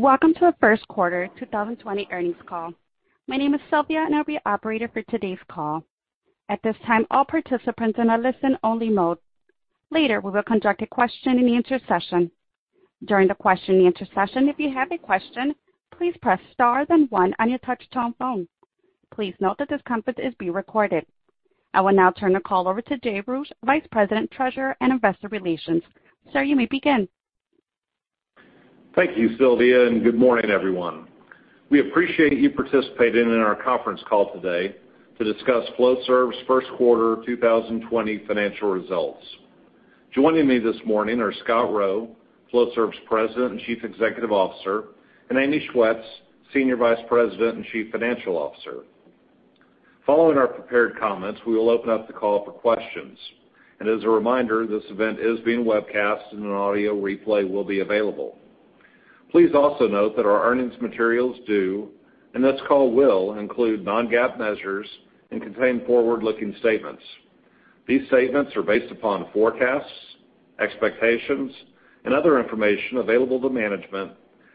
Welcome to our first quarter 2020 earnings call. My name is Sylvia, and I'll be operator for today's call. At this time, all participants in a listen-only mode. Later, we will conduct a question-and-answer session. During the question-and-answer session, if you have a question, please press star then one on your touchtone phone. Please note that this conference is being recorded. I will now turn the call over to Jay Roueche, Vice President, Treasurer, and Investor Relations. Sir, you may begin. Thank you, Sylvia. Good morning, everyone. We appreciate you participating in our conference call today to discuss Flowserve's first quarter 2020 financial results. Joining me this morning are Scott Rowe, Flowserve's President and Chief Executive Officer, and Amy Schwetz, Senior Vice President and Chief Financial Officer. Following our prepared comments, we will open up the call for questions. As a reminder, this event is being webcast and an audio replay will be available. Please also note that our earnings materials do, and this call will, include non-GAAP measures and contain forward-looking statements. These statements are based upon forecasts, expectations, and other information available to management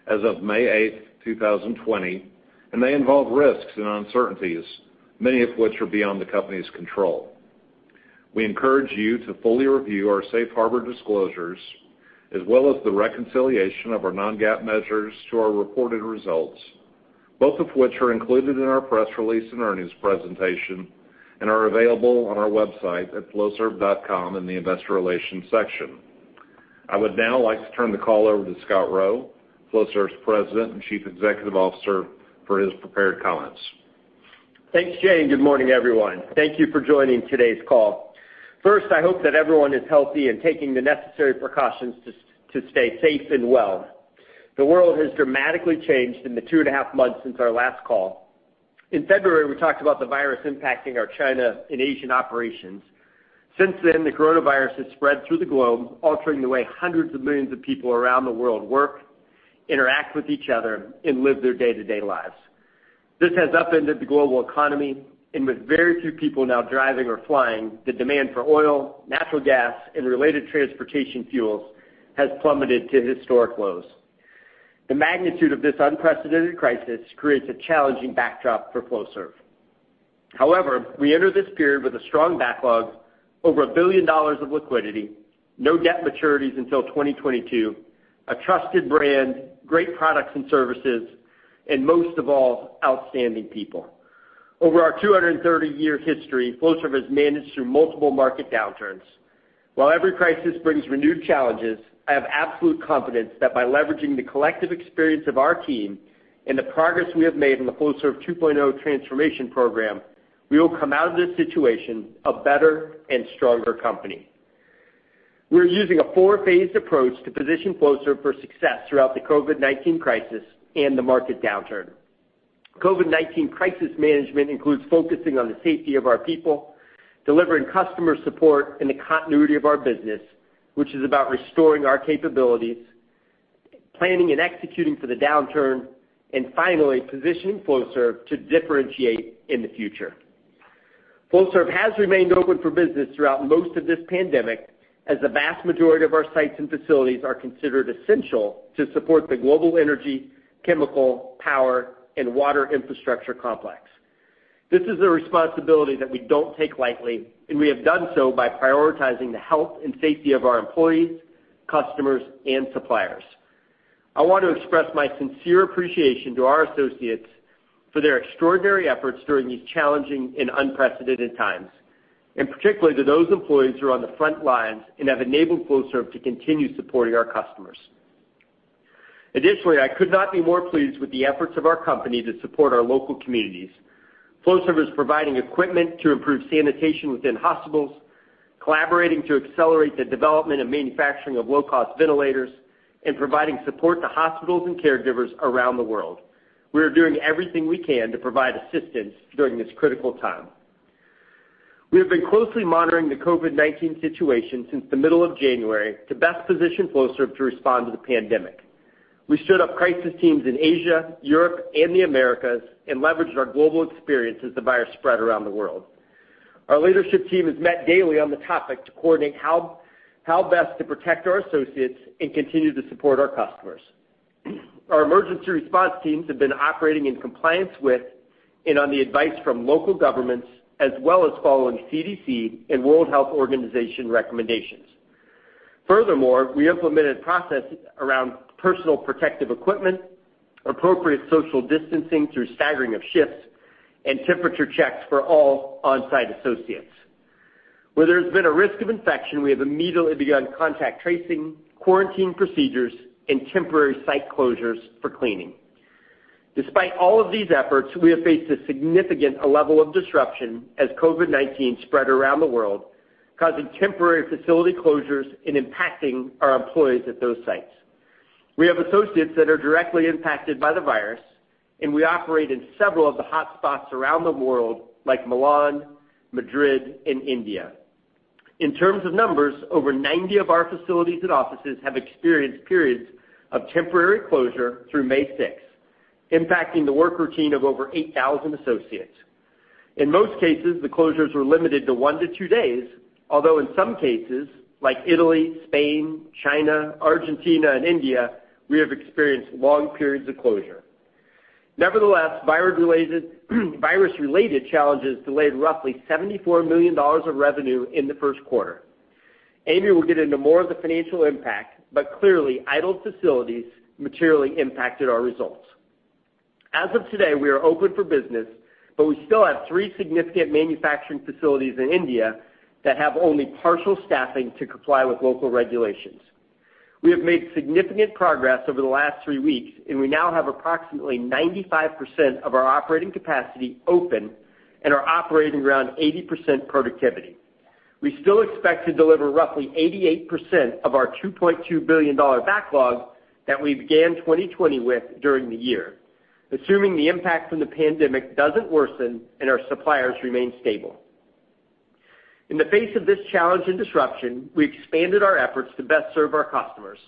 as of May 8th, 2020, and may involve risks and uncertainties, many of which are beyond the company's control. We encourage you to fully review our safe harbor disclosures, as well as the reconciliation of our non-GAAP measures to our reported results, both of which are included in our press release and earnings presentation and are available on our website at flowserve.com in the investor relations section. I would now like to turn the call over to Scott Rowe, Flowserve's President and Chief Executive Officer, for his prepared comments. Thanks, Jay. Good morning, everyone. Thank you for joining today's call. First, I hope that everyone is healthy and taking the necessary precautions to stay safe and well. The world has dramatically changed in the two and a half months since our last call. In February, we talked about the virus impacting our China and Asian operations. Since then, the coronavirus has spread through the globe, altering the way hundreds of millions of people around the world work, interact with each other, and live their day-to-day lives. This has upended the global economy. With very few people now driving or flying, the demand for oil, natural gas, and related transportation fuels has plummeted to historic lows. The magnitude of this unprecedented crisis creates a challenging backdrop for Flowserve. We enter this period with a strong backlog, over $1 billion of liquidity, no debt maturities until 2022, a trusted brand, great products and services, and most of all, outstanding people. Over our 230-year history, Flowserve has managed through multiple market downturns. While every crisis brings renewed challenges, I have absolute confidence that by leveraging the collective experience of our team and the progress we have made in the Flowserve 2.0 transformation program, we will come out of this situation a better and stronger company. We're using a four-phased approach to position Flowserve for success throughout the COVID-19 crisis and the market downturn. COVID-19 crisis management includes focusing on the safety of our people, delivering customer support, and the continuity of our business, which is about restoring our capabilities, planning and executing for the downturn, and finally, positioning Flowserve to differentiate in the future. Flowserve has remained open for business throughout most of this pandemic, as the vast majority of our sites and facilities are considered essential to support the global energy, chemical, power, and water infrastructure complex. This is a responsibility that we don't take lightly, and we have done so by prioritizing the health and safety of our employees, customers, and suppliers. I want to express my sincere appreciation to our associates for their extraordinary efforts during these challenging and unprecedented times, and particularly to those employees who are on the front lines and have enabled Flowserve to continue supporting our customers. Additionally, I could not be more pleased with the efforts of our company to support our local communities. Flowserve is providing equipment to improve sanitation within hospitals, collaborating to accelerate the development and manufacturing of low-cost ventilators, and providing support to hospitals and caregivers around the world. We are doing everything we can to provide assistance during this critical time. We have been closely monitoring the COVID-19 situation since the middle of January to best position Flowserve to respond to the pandemic. We stood up crisis teams in Asia, Europe, and the Americas and leveraged our global experience as the virus spread around the world. Our leadership team has met daily on the topic to coordinate how best to protect our associates and continue to support our customers. Our emergency response teams have been operating in compliance with and on the advice from local governments as well as following CDC and World Health Organization recommendations. Furthermore, we implemented processes around personal protective equipment, appropriate social distancing through staggering of shifts, and temperature checks for all on-site associates. Where there's been a risk of infection, we have immediately begun contact tracing, quarantine procedures, and temporary site closures for cleaning. Despite all of these efforts, we have faced a significant level of disruption as COVID-19 spread around the world, causing temporary facility closures and impacting our employees at those sites. We have associates that are directly impacted by the virus, and we operate in several of the hotspots around the world, like Milan, Madrid, and India. In terms of numbers, over 90 of our facilities and offices have experienced periods of temporary closure through May 6th, impacting the work routine of over 8,000 associates. In most cases, the closures were limited to one to two days, although in some cases like Italy, Spain, China, Argentina, and India, we have experienced long periods of closure. Nevertheless, virus-related challenges delayed roughly $74 million of revenue in the first quarter. Amy will get into more of the financial impact, clearly idled facilities materially impacted our results. As of today, we are open for business, we still have three significant manufacturing facilities in India that have only partial staffing to comply with local regulations. We have made significant progress over the last three weeks; we now have approximately 95% of our operating capacity open and are operating around 80% productivity. We still expect to deliver roughly 88% of our $2.2 billion backlog that we began 2020 with during the year, assuming the impact from the pandemic doesn't worsen and our suppliers remain stable. In the face of this challenge and disruption, we expanded our efforts to best serve our customers,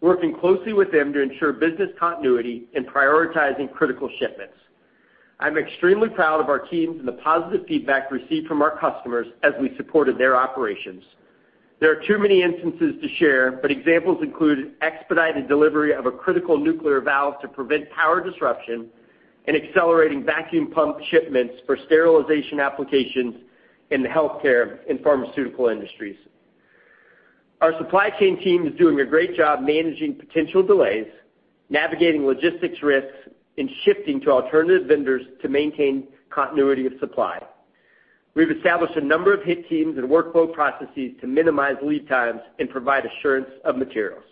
working closely with them to ensure business continuity and prioritizing critical shipments. I'm extremely proud of our teams and the positive feedback received from our customers as we supported their operations. There are too many instances to share, but examples include expedited delivery of a critical nuclear valve to prevent power disruption, and accelerating vacuum pump shipments for sterilization applications in the healthcare and pharmaceutical industries. Our supply chain team is doing a great job managing potential delays, navigating logistics risks, and shifting to alternative vendors to maintain continuity of supply. We've established a number of hit teams and workflow processes to minimize lead times and provide assurance of materials.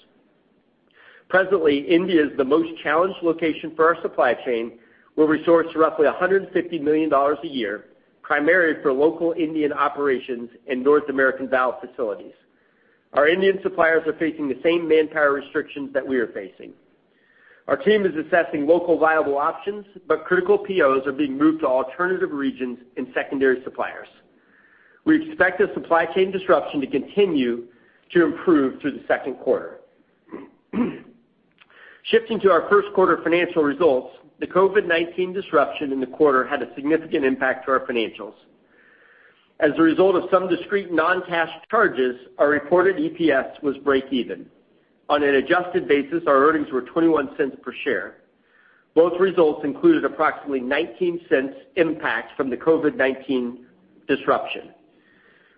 Presently, India is the most challenged location for our supply chain. We'll resource roughly $150 million a year, primarily for local Indian operations and North American valve facilities. Our Indian suppliers are facing the same manpower restrictions that we are facing. Our team is assessing local viable options, but critical POs are being moved to alternative regions and secondary suppliers. We expect the supply chain disruption to continue to improve through the second quarter. Shifting to our first quarter financial results, the COVID-19 disruption in the quarter had a significant impact to our financials. As a result of some discrete non-cash charges, our reported EPS was break even. On an adjusted basis, our earnings were $0.21 per share. Both results included approximately $0.19 impact from the COVID-19 disruption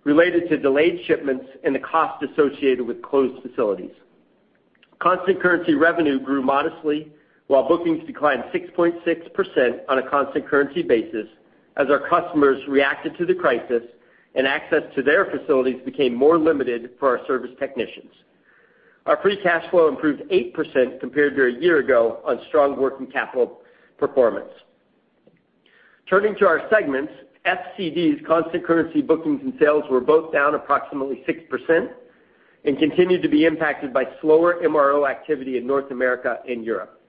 related to delayed shipments and the cost associated with closed facilities. Constant currency revenue grew modestly, while bookings declined 6.6% on a constant currency basis as our customers reacted to the crisis and access to their facilities became more limited for our service technicians. Our free cash flow improved 8% compared to a year ago on strong working capital performance. Turning to our segments, FCD's constant currency bookings and sales were both down approximately 6% and continued to be impacted by slower MRO activity in North America and Europe.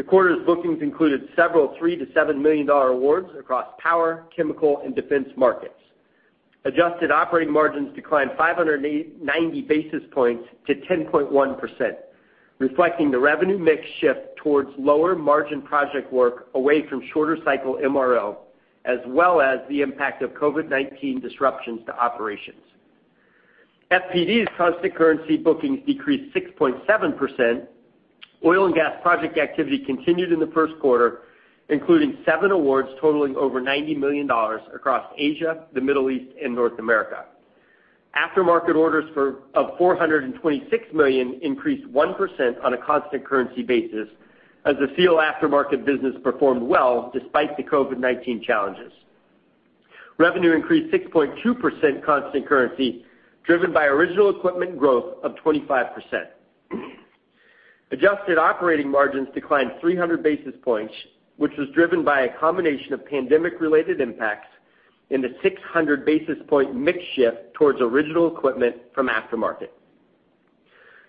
The quarter's bookings included several $3 million-$7 million awards across power, chemical, and defense markets. Adjusted operating margins declined 590 basis points to 10.1%, reflecting the revenue mix shift towards lower margin project work away from shorter cycle MRO, as well as the impact of COVID-19 disruptions to operations. FPD's constant currency bookings decreased 6.7%. Oil and gas project activity continued in the first quarter, including seven awards totaling over $90 million across Asia, the Middle East, and North America. Aftermarket orders of $426 million increased 1% on a constant currency basis as the seal aftermarket business performed well despite the COVID-19 challenges. Revenue increased 6.2% constant currency, driven by original equipment growth of 25%. Adjusted operating margins declined 300 basis points, which was driven by a combination of pandemic-related impacts and a 600 basis point mix shift towards original equipment from aftermarket.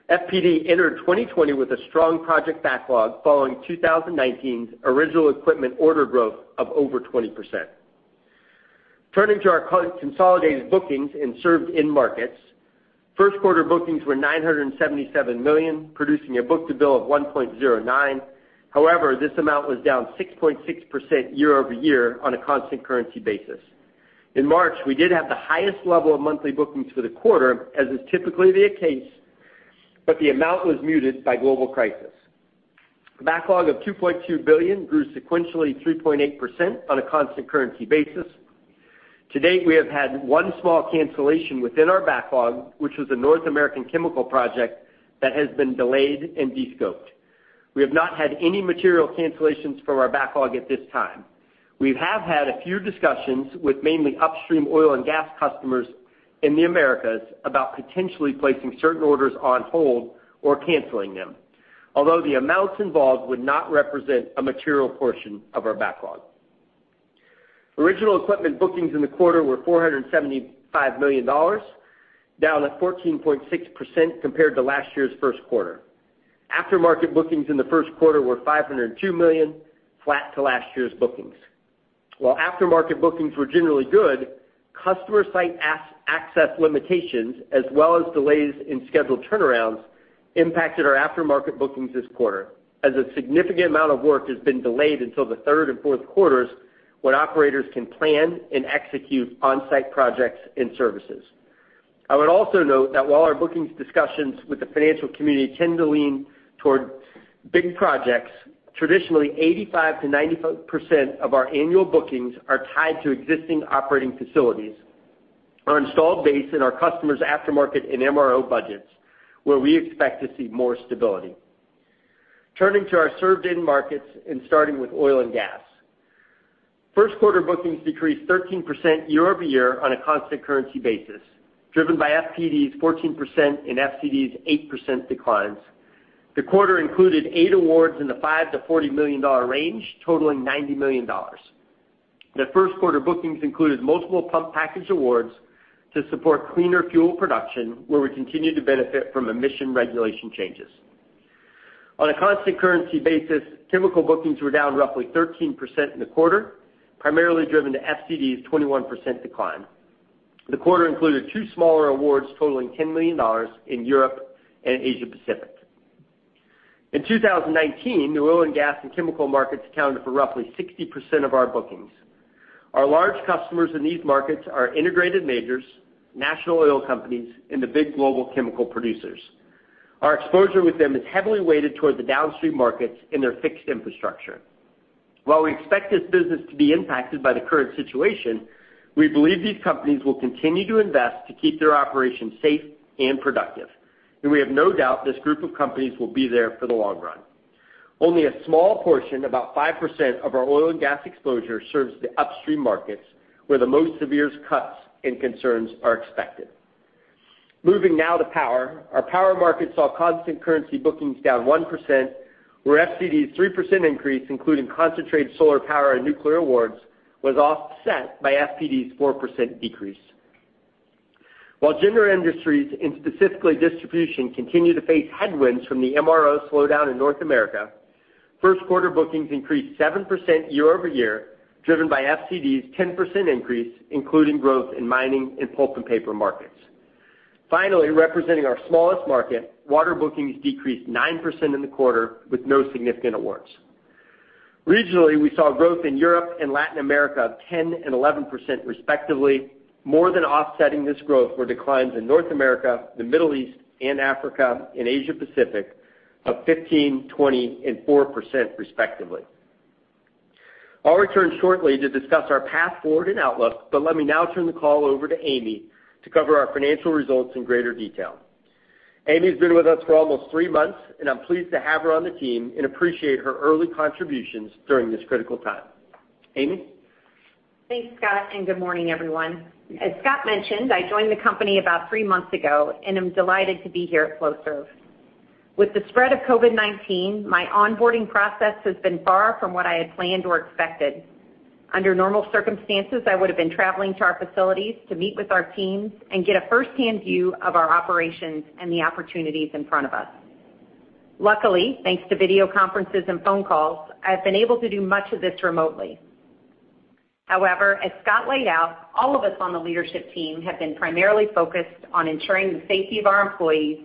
FPD entered 2020 with a strong project backlog following 2019's original equipment order growth of over 20%. Turning to our consolidated bookings and served end markets. First quarter bookings were $977 million, producing a book-to-bill of 1.09x. This amount was down 6.6% year-over-year on a constant currency basis. In March, we did have the highest level of monthly bookings for the quarter, as is typically the case, but the amount was muted by global crisis. Backlog of $2.2 billion grew sequentially 3.8% on a constant currency basis. To date, we have had one small cancellation within our backlog, which was a North American chemical project that has been delayed and de-scoped. We have not had any material cancellations from our backlog at this time. We have had a few discussions with mainly upstream oil and gas customers in the Americas about potentially placing certain orders on hold or canceling them. Although the amounts involved would not represent a material portion of our backlog. Original equipment bookings in the quarter were $475 million, down at 14.6% compared to last year's first quarter. Aftermarket bookings in the first quarter were $502 million, flat to last year's bookings. While aftermarket bookings were generally good, customer site access limitations, as well as delays in scheduled turnarounds, impacted our aftermarket bookings this quarter, as a significant amount of work has been delayed until the third and fourth quarters when operators can plan and execute on-site projects and services. I would also note that while our bookings discussions with the financial community tend to lean toward big projects, traditionally 85%-95% of our annual bookings are tied to existing operating facilities, our installed base, and our customers' aftermarket and MRO budgets, where we expect to see more stability. Turning to our served end markets and starting with oil and gas. First quarter bookings decreased 13% year-over-year on a constant currency basis, driven by FPD's 14% and FCD's 8% declines. The quarter included eight awards in the $5 million-$40 million range, totaling $90 million. The first quarter bookings included multiple pump package awards to support cleaner fuel production, where we continue to benefit from emission regulation changes. On a constant currency basis, chemical bookings were down roughly 13% in the quarter, primarily driven to FCD's 21% decline. The quarter included two smaller awards totaling $10 million in Europe and Asia Pacific. In 2019, the oil and gas and chemical markets accounted for roughly 60% of our bookings. Our large customers in these markets are integrated majors, national oil companies, and the big global chemical producers. Our exposure with them is heavily weighted toward the downstream markets and their fixed infrastructure. While we expect this business to be impacted by the current situation, we believe these companies will continue to invest to keep their operations safe and productive. We have no doubt this group of companies will be there for the long run. Only a small portion, about 5%, of our oil and gas exposure serves the upstream markets, where the most severe cuts and concerns are expected. Moving now to power. Our power market saw constant currency bookings down 1%, where FCD's 3% increase, including concentrated solar power and nuclear awards, was offset by FPD's 4% decrease. While general industries, and specifically distribution, continue to face headwinds from the MRO slowdown in North America, first quarter bookings increased 7% year-over-year, driven by FCD's 10% increase, including growth in mining and pulp and paper markets. Finally, representing our smallest market, water bookings decreased 9% in the quarter with no significant awards. Regionally, we saw growth in Europe and Latin America of 10% and 11% respectively. More than offsetting this growth were declines in North America, the Middle East and Africa, and Asia Pacific of 15%, 20% and 4% respectively. I'll return shortly to discuss our path forward and outlook but let me now turn the call over to Amy to cover our financial results in greater detail. Amy has been with us for almost three months, and I'm pleased to have her on the team and appreciate her early contributions during this critical time. Amy? Thanks, Scott. Good morning, everyone. As Scott mentioned, I joined the company about three months ago, and am delighted to be here at Flowserve. With the spread of COVID-19, my onboarding process has been far from what I had planned or expected. Under normal circumstances, I would have been traveling to our facilities to meet with our teams and get a first-hand view of our operations and the opportunities in front of us. Luckily, thanks to video conferences and phone calls, I've been able to do much of this remotely. As Scott laid out, all of us on the leadership team have been primarily focused on ensuring the safety of our employees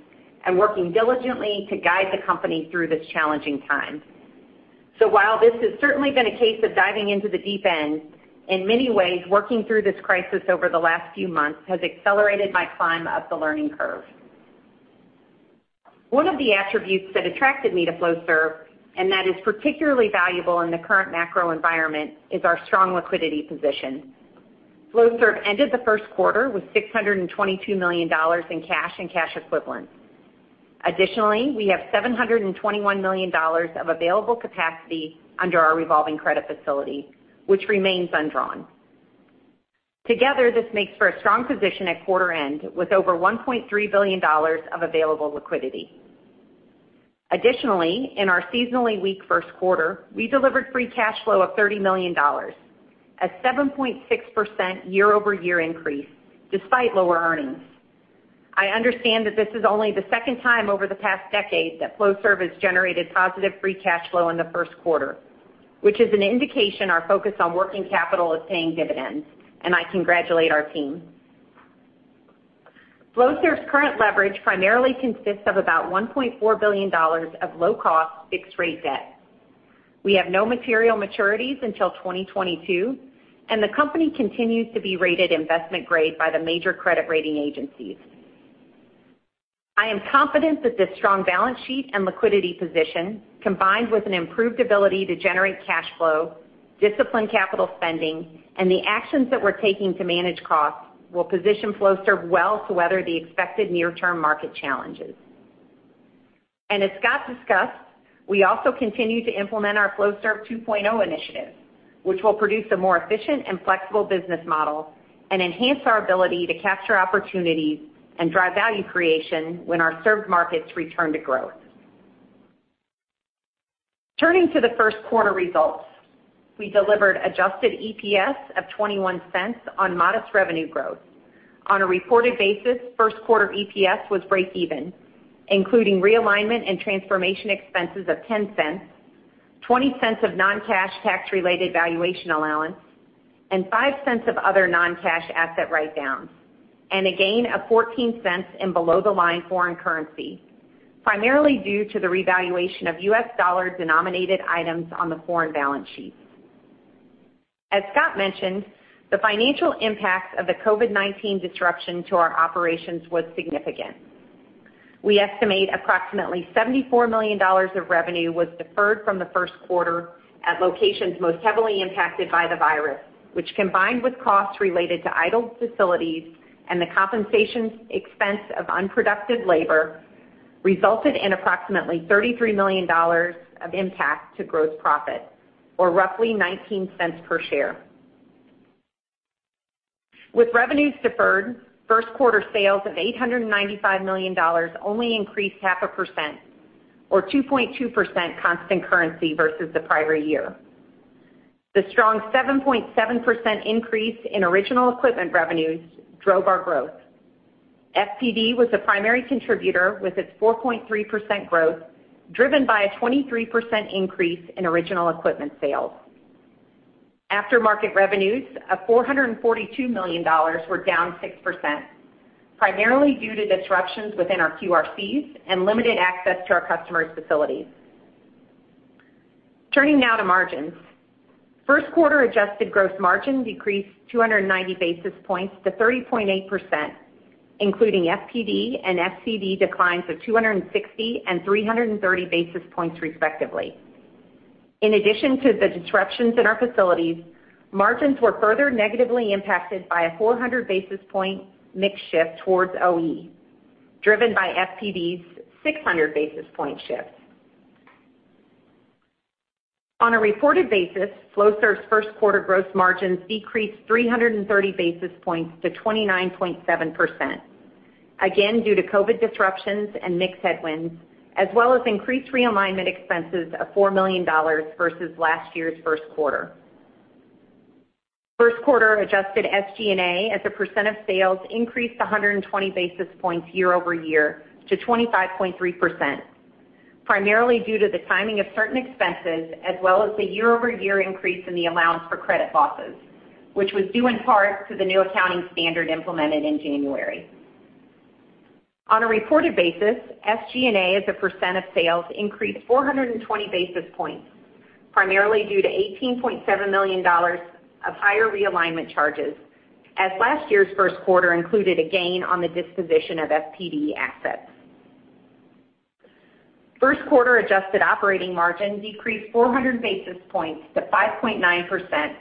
and working diligently to guide the company through this challenging time. While this has certainly been a case of diving into the deep end, in many ways, working through this crisis over the last few months has accelerated my climb up the learning curve. One of the attributes that attracted me to Flowserve, and that is particularly valuable in the current macro environment, is our strong liquidity position. Flowserve ended the first quarter with $622 million in cash and cash equivalents. Additionally, we have $721 million of available capacity under our revolving credit facility, which remains undrawn. Together, this makes for a strong position at quarter end, with over $1.3 billion of available liquidity. Additionally, in our seasonally weak first quarter, we delivered free cash flow of $30 million, a 7.6% year-over-year increase despite lower earnings. I understand that this is only the second time over the past decade that Flowserve has generated positive free cash flow in the first quarter, which is an indication our focus on working capital is paying dividends, and I congratulate our team. Flowserve's current leverage primarily consists of about $1.4 billion of low-cost, fixed-rate debt. We have no material maturities until 2022, and the company continues to be rated investment grade by the major credit rating agencies. I am confident that this strong balance sheet and liquidity position, combined with an improved ability to generate cash flow, disciplined capital spending, and the actions that we're taking to manage costs, will position Flowserve well to weather the expected near-term market challenges. As Scott discussed, we also continue to implement our Flowserve 2.0 initiative, which will produce a more efficient and flexible business model and enhance our ability to capture opportunities and drive value creation when our served markets return to growth. Turning to the first quarter results. We delivered adjusted EPS of $0.21 on modest revenue growth. On a reported basis, first quarter EPS was breakeven, including realignment and transformation expenses of $0.10, $0.20 of non-cash tax-related valuation allowance and $0.05 of other non-cash asset write-downs, and a gain of $0.14 in below-the-line foreign currency, primarily due to the revaluation of U.S. dollar-denominated items on the foreign balance sheet. As Scott mentioned, the financial impact of the COVID-19 disruption to our operations was significant. We estimate approximately $74 million of revenue was deferred from the first quarter at locations most heavily impacted by the virus, which, combined with costs related to idled facilities and the compensation expense of unproductive labor, resulted in approximately $33 million of impact to gross profit, or roughly $0.19 per share. With revenues deferred, first quarter sales of $895 million only increased 0.5% or 2.2% constant currency versus the prior year. The strong 7.7% increase in original equipment revenues drove our growth. FPD was a primary contributor, with its 4.3% growth driven by a 23% increase in original equipment sales. Aftermarket revenues of $442 million were down 6%, primarily due to disruptions within our QRCs and limited access to our customers' facilities. Turning now to margins. First quarter adjusted gross margin decreased 290 basis points to 30.8%, including FPD and FCD declines of 260 basis points and 330 basis points, respectively. In addition to the disruptions in our facilities, margins were further negatively impacted by a 400 basis point mix shift towards OE, driven by FPD's 600 basis point shift. On a reported basis, Flowserve's first quarter gross margins decreased 330 basis points to 29.7%, again, due to COVID disruptions and mix headwinds, as well as increased realignment expenses of $4 million versus last year's first quarter. First quarter adjusted SG&A as a percent of sales increased 120 basis points year-over-year to 25.3%, primarily due to the timing of certain expenses, as well as the year-over-year increase in the allowance for credit losses, which was due in part to the new accounting standard implemented in January. On a reported basis, SG&A as a percent of sales increased 420 basis points, primarily due to $18.7 million of higher realignment charges, as last year's first quarter included a gain on the disposition of FPD assets. First quarter adjusted operating margin decreased 400 basis points to 5.9%,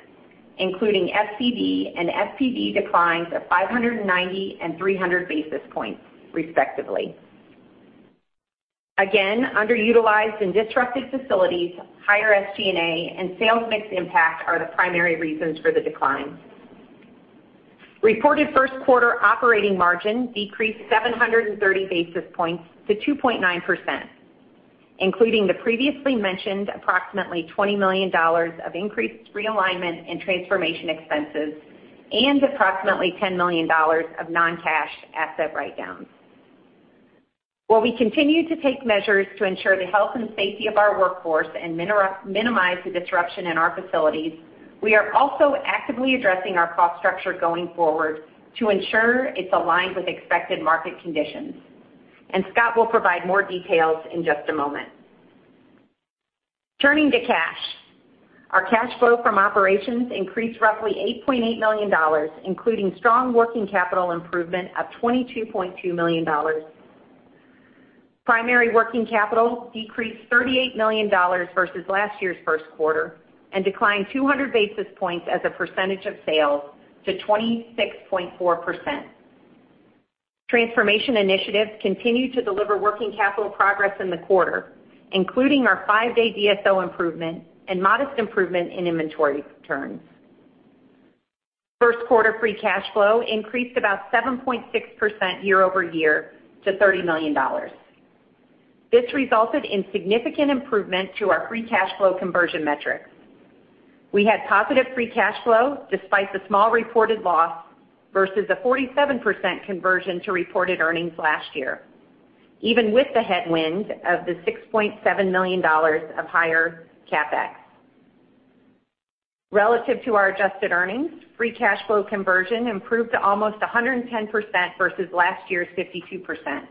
including FCD and FPD declines of 590 and 300 basis points, respectively. Again, underutilized and disrupted facilities, higher SG&A and sales mix impact are the primary reasons for the decline. Reported first quarter operating margin decreased 730 basis points to 2.9%, including the previously mentioned approximately $20 million of increased realignment and transformation expenses and approximately $10 million of non-cash asset write-downs. While we continue to take measures to ensure the health and safety of our workforce and minimize the disruption in our facilities, we are also actively addressing our cost structure going forward to ensure it's aligned with expected market conditions, and Scott will provide more details in just a moment. Turning to cash. Our cash flow from operations increased roughly $8.8 million, including strong working capital improvement of $22.2 million. Primary working capital decreased $38 million versus last year's first quarter and declined 200 basis points as a percentage of sales to 26.4%. Transformation initiatives continued to deliver working capital progress in the quarter, including our five-day DSO improvement and modest improvement in inventory turns. First quarter free cash flow increased about 7.6% year-over-year to $30 million. This resulted in significant improvement to our free cash flow conversion metrics. We had positive free cash flow despite the small reported loss versus a 47% conversion to reported earnings last year, even with the headwind of the $6.7 million of higher CapEx. Relative to our adjusted earnings, free cash flow conversion improved to almost 110% versus last year's 52%.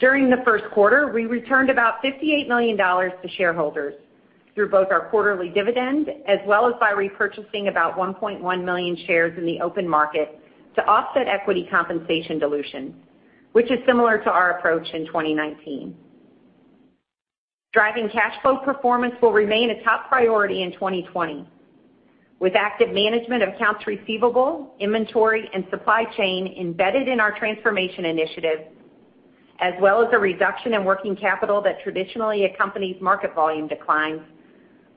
During the first quarter, we returned about $58 million to shareholders through both our quarterly dividend as well as by repurchasing about 1.1 million shares in the open market to offset equity compensation dilution, which is similar to our approach in 2019. Driving cash flow performance will remain a top priority in 2020, with active management of accounts receivable, inventory, and supply chain embedded in our transformation initiative, as well as a reduction in working capital that traditionally accompanies market volume declines.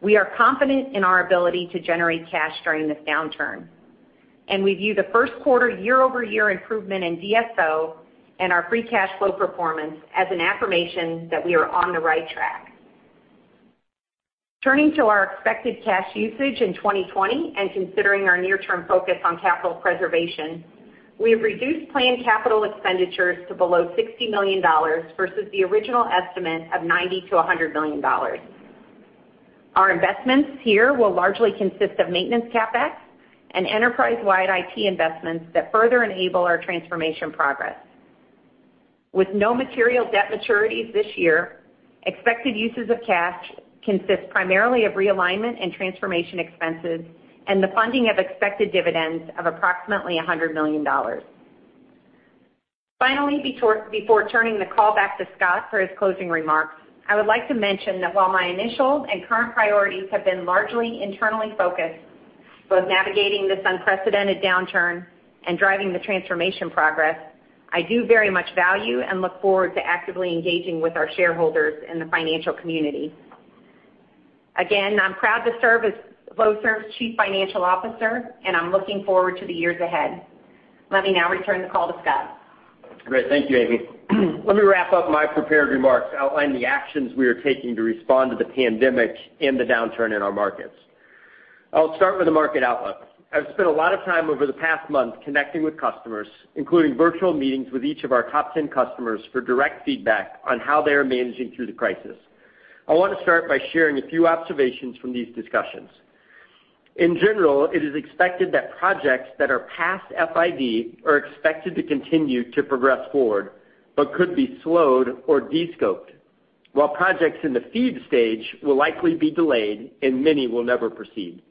We are confident in our ability to generate cash during this downturn, and we view the first quarter year-over-year improvement in DSO and our free cash flow performance as an affirmation that we are on the right track. Turning to our expected cash usage in 2020, and considering our near-term focus on capital preservation, we have reduced planned capital expenditures to below $60 million versus the original estimate of $90 million-$100 million. Our investments here will largely consist of maintenance CapEx and enterprise-wide IT investments that further enable our transformation progress. With no material debt maturities this year, expected uses of cash consist primarily of realignment and transformation expenses and the funding of expected dividends of approximately $100 million. Finally, before turning the call back to Scott for his closing remarks, I would like to mention that while my initial and current priorities have been largely internally focused, both navigating this unprecedented downturn and driving the transformation progress, I do very much value and look forward to actively engaging with our shareholders in the financial community. Again, I'm proud to serve as Flowserve's Chief Financial Officer, and I'm looking forward to the years ahead. Let me now return the call to Scott. Great. Thank you, Amy. Let me wrap up my prepared remarks outlining the actions we are taking to respond to the pandemic and the downturn in our markets. I'll start with the market outlook. I've spent a lot of time over the past month connecting with customers, including virtual meetings with each of our top 10 customers for direct feedback on how they are managing through the crisis. I want to start by sharing a few observations from these discussions. In general, it is expected that projects that are past FID are expected to continue to progress forward but could be slowed or de-scoped, while projects in the FEED stage will likely be delayed, and many will never proceed.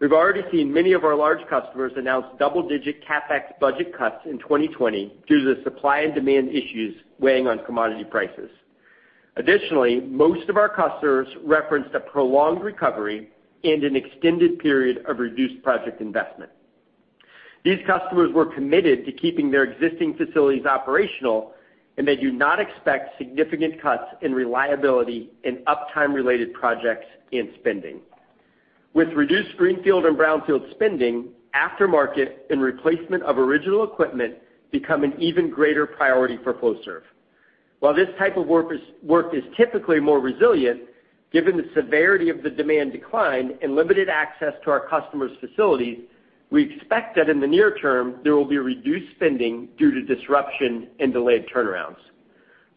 We've already seen many of our large customers announce double-digit CapEx budget cuts in 2020 due to the supply and demand issues weighing on commodity prices. Additionally, most of our customers referenced a prolonged recovery and an extended period of reduced project investment. These customers were committed to keeping their existing facilities operational, and they do not expect significant cuts in reliability and uptime-related projects and spending. With reduced greenfield and brownfield spending, aftermarket and replacement of original equipment become an even greater priority for Flowserve. While this type of work is typically more resilient, given the severity of the demand decline and limited access to our customers' facilities, we expect that in the near term, there will be reduced spending due to disruption and delayed turnarounds.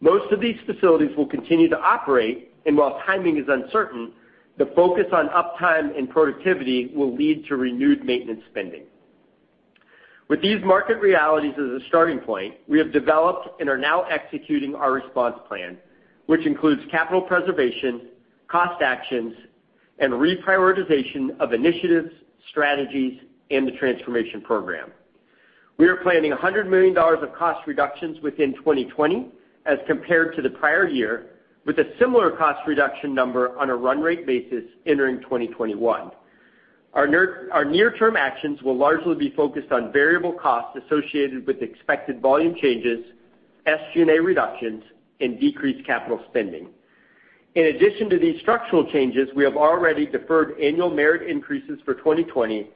Most of these facilities will continue to operate, and while timing is uncertain, the focus on uptime and productivity will lead to renewed maintenance spending. With these market realities as a starting point, we have developed and are now executing our response plan, which includes capital preservation, cost actions, and reprioritization of initiatives, strategies, and the transformation program. We are planning $100 million of cost reductions within 2020 as compared to the prior year, with a similar cost reduction number on a run rate basis entering 2021. Our near-term actions will largely be focused on variable costs associated with expected volume changes, SG&A reductions, and decreased capital spending. In addition to these structural changes, we have already deferred annual merit increases for 2020,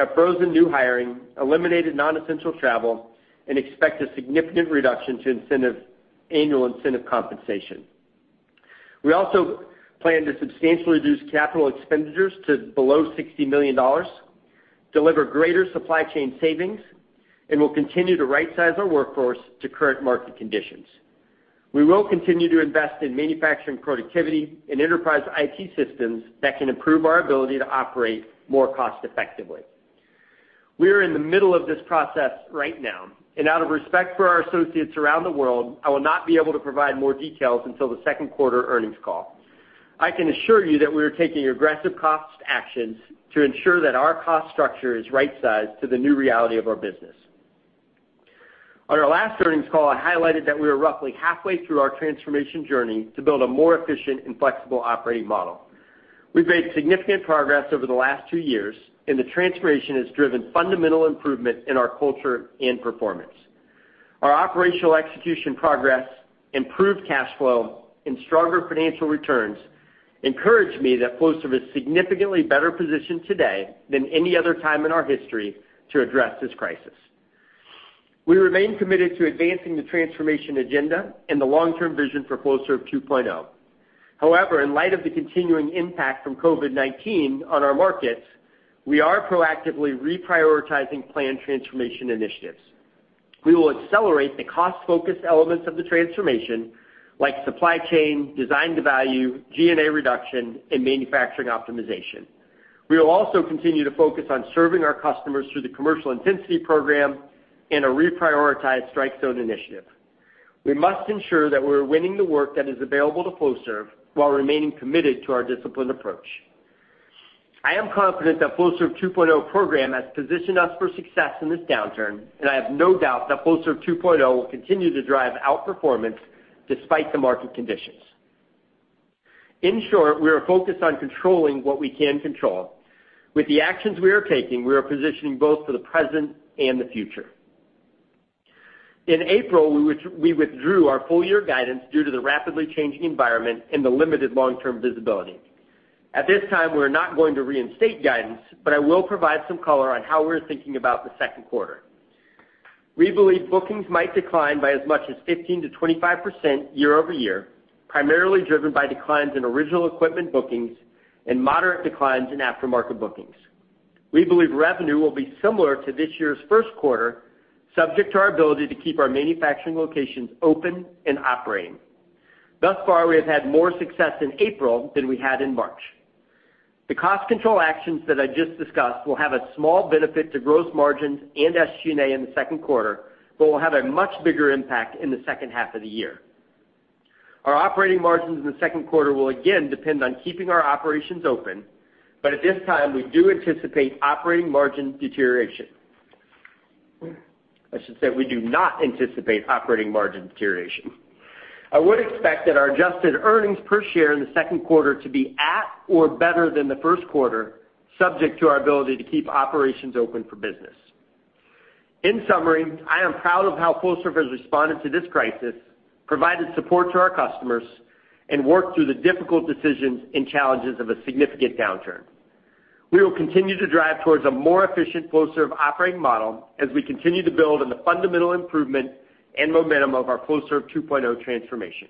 have frozen new hiring, eliminated non-essential travel, and expect a significant reduction to annual incentive compensation. We also plan to substantially reduce capital expenditures to below $60 million, deliver greater supply chain savings, and will continue to right size our workforce to current market conditions. We will continue to invest in manufacturing productivity and enterprise IT systems that can improve our ability to operate more cost-effectively. We are in the middle of this process right now, and out of respect for our associates around the world, I will not be able to provide more details until the second quarter earnings call. I can assure you that we are taking aggressive cost actions to ensure that our cost structure is rightsized to the new reality of our business. On our last earnings call, I highlighted that we are roughly halfway through our transformation journey to build a more efficient and flexible operating model. We've made significant progress over the last two years, and the transformation has driven fundamental improvement in our culture and performance. Our operational execution progress, improved cash flow, and stronger financial returns encourage me that Flowserve is significantly better positioned today than any other time in our history to address this crisis. We remain committed to advancing the transformation agenda and the long-term vision for Flowserve 2.0. However, in light of the continuing impact from COVID-19 on our markets, we are proactively reprioritizing planned transformation initiatives. We will accelerate the cost-focused elements of the transformation, like supply chain, design to value, G&A reduction, and manufacturing optimization. We will also continue to focus on serving our customers through the commercial intensity program and a reprioritized Strike Zone initiative. We must ensure that we're winning the work that is available to Flowserve while remaining committed to our disciplined approach. I am confident that Flowserve 2.0 program has positioned us for success in this downturn, and I have no doubt that Flowserve 2.0 will continue to drive outperformance despite the market conditions. In short, we are focused on controlling what we can control. With the actions we are taking, we are positioning both for the present and the future. In April, we withdrew our full-year guidance due to the rapidly changing environment and the limited long-term visibility. At this time, we are not going to reinstate guidance, but I will provide some color on how we're thinking about the second quarter. We believe bookings might decline by as much as 15%-25% year-over-year, primarily driven by declines in original equipment bookings and moderate declines in aftermarket bookings. We believe revenue will be similar to this year's first quarter, subject to our ability to keep our manufacturing locations open and operating. Thus far, we have had more success in April than we had in March. The cost control actions that I just discussed will have a small benefit to gross margins and SG&A in the second quarter, but will have a much bigger impact in the second half of the year. Our operating margins in the second quarter will again depend on keeping our operations open, but at this time we do anticipate operating margin deterioration. I should say we do not anticipate operating margin deterioration. I would expect that our adjusted earnings per share in the second quarter to be at or better than the first quarter, subject to our ability to keep operations open for business. In summary, I am proud of how Flowserve has responded to this crisis, provided support to our customers, and worked through the difficult decisions and challenges of a significant downturn. We will continue to drive towards a more efficient Flowserve operating model as we continue to build on the fundamental improvement and momentum of our Flowserve 2.0 transformation.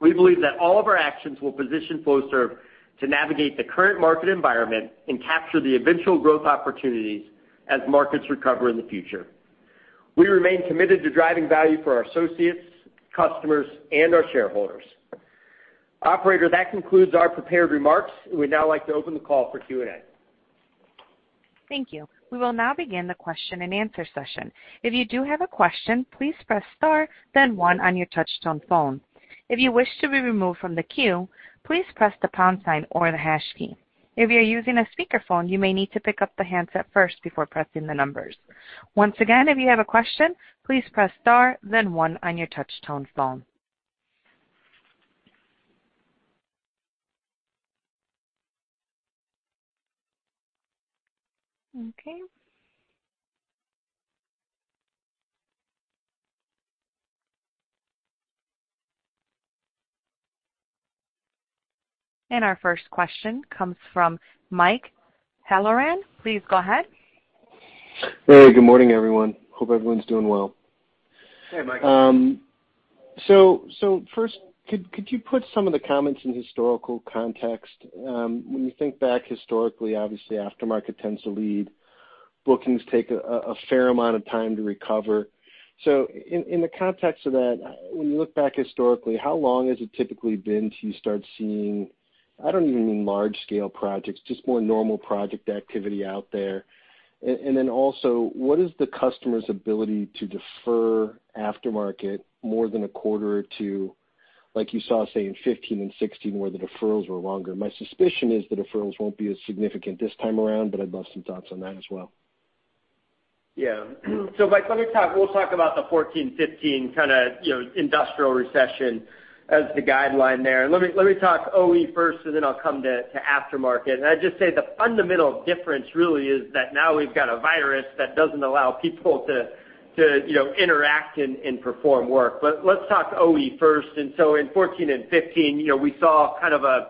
We believe that all of our actions will position Flowserve to navigate the current market environment and capture the eventual growth opportunities as markets recover in the future. We remain committed to driving value for our associates, customers, and our shareholders. Operator, that concludes our prepared remarks. We'd now like to open the call for Q&A. Thank you. We will now begin the question-and-answer session. If you do have a question, please press star, then one on your touchtone phone. If you wish to be removed from the queue, please press the pound sign or the hash key. If you're using a speakerphone, you may need to pick up the handset first before pressing the numbers. Once again, if you have a question, please press star, then one on your touchtone phone. Okay. Our first question comes from Mike Halloran. Please go ahead. Hey, good morning, everyone. Hope everyone's doing well. Hey, Mike. First, could you put some of the comments in historical context? When you think back historically, obviously aftermarket tends to lead. Bookings take a fair amount of time to recover. In the context of that, when you look back historically, how long has it typically been till you start seeing, I don't even mean large scale projects, just more normal project activity out there. Then also, what is the customer's ability to defer aftermarket more than a quarter or two, like you saw, say, in 2015 and 2016, where the deferrals were longer? My suspicion is the deferrals won't be as significant this time around, but I'd love some thoughts on that as well. Yeah. Mike, we'll talk about the 2014, 2015 kind of industrial recession as the guideline there. Let me talk OE first, and then I'll come to aftermarket. I'd just say the fundamental difference really is that now we've got a virus that doesn't allow people to interact and perform work. Let's talk OE first. In 2014 and 2015, we saw kind of a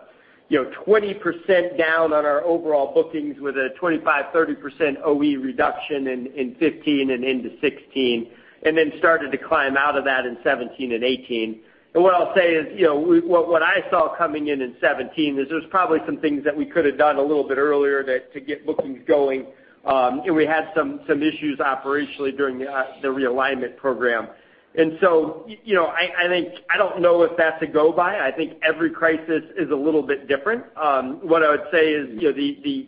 20% down on our overall bookings with a 25%-30% OE reduction in 2015 and into 2016, and then started to climb out of that in 2017 and 2018. What I'll say is what I saw coming in in 2017 is there's probably some things that we could have done a little bit earlier to get bookings going, and we had some issues operationally during the realignment program. I don't know if that's a go by. I think every crisis is a little bit different. What I would say is the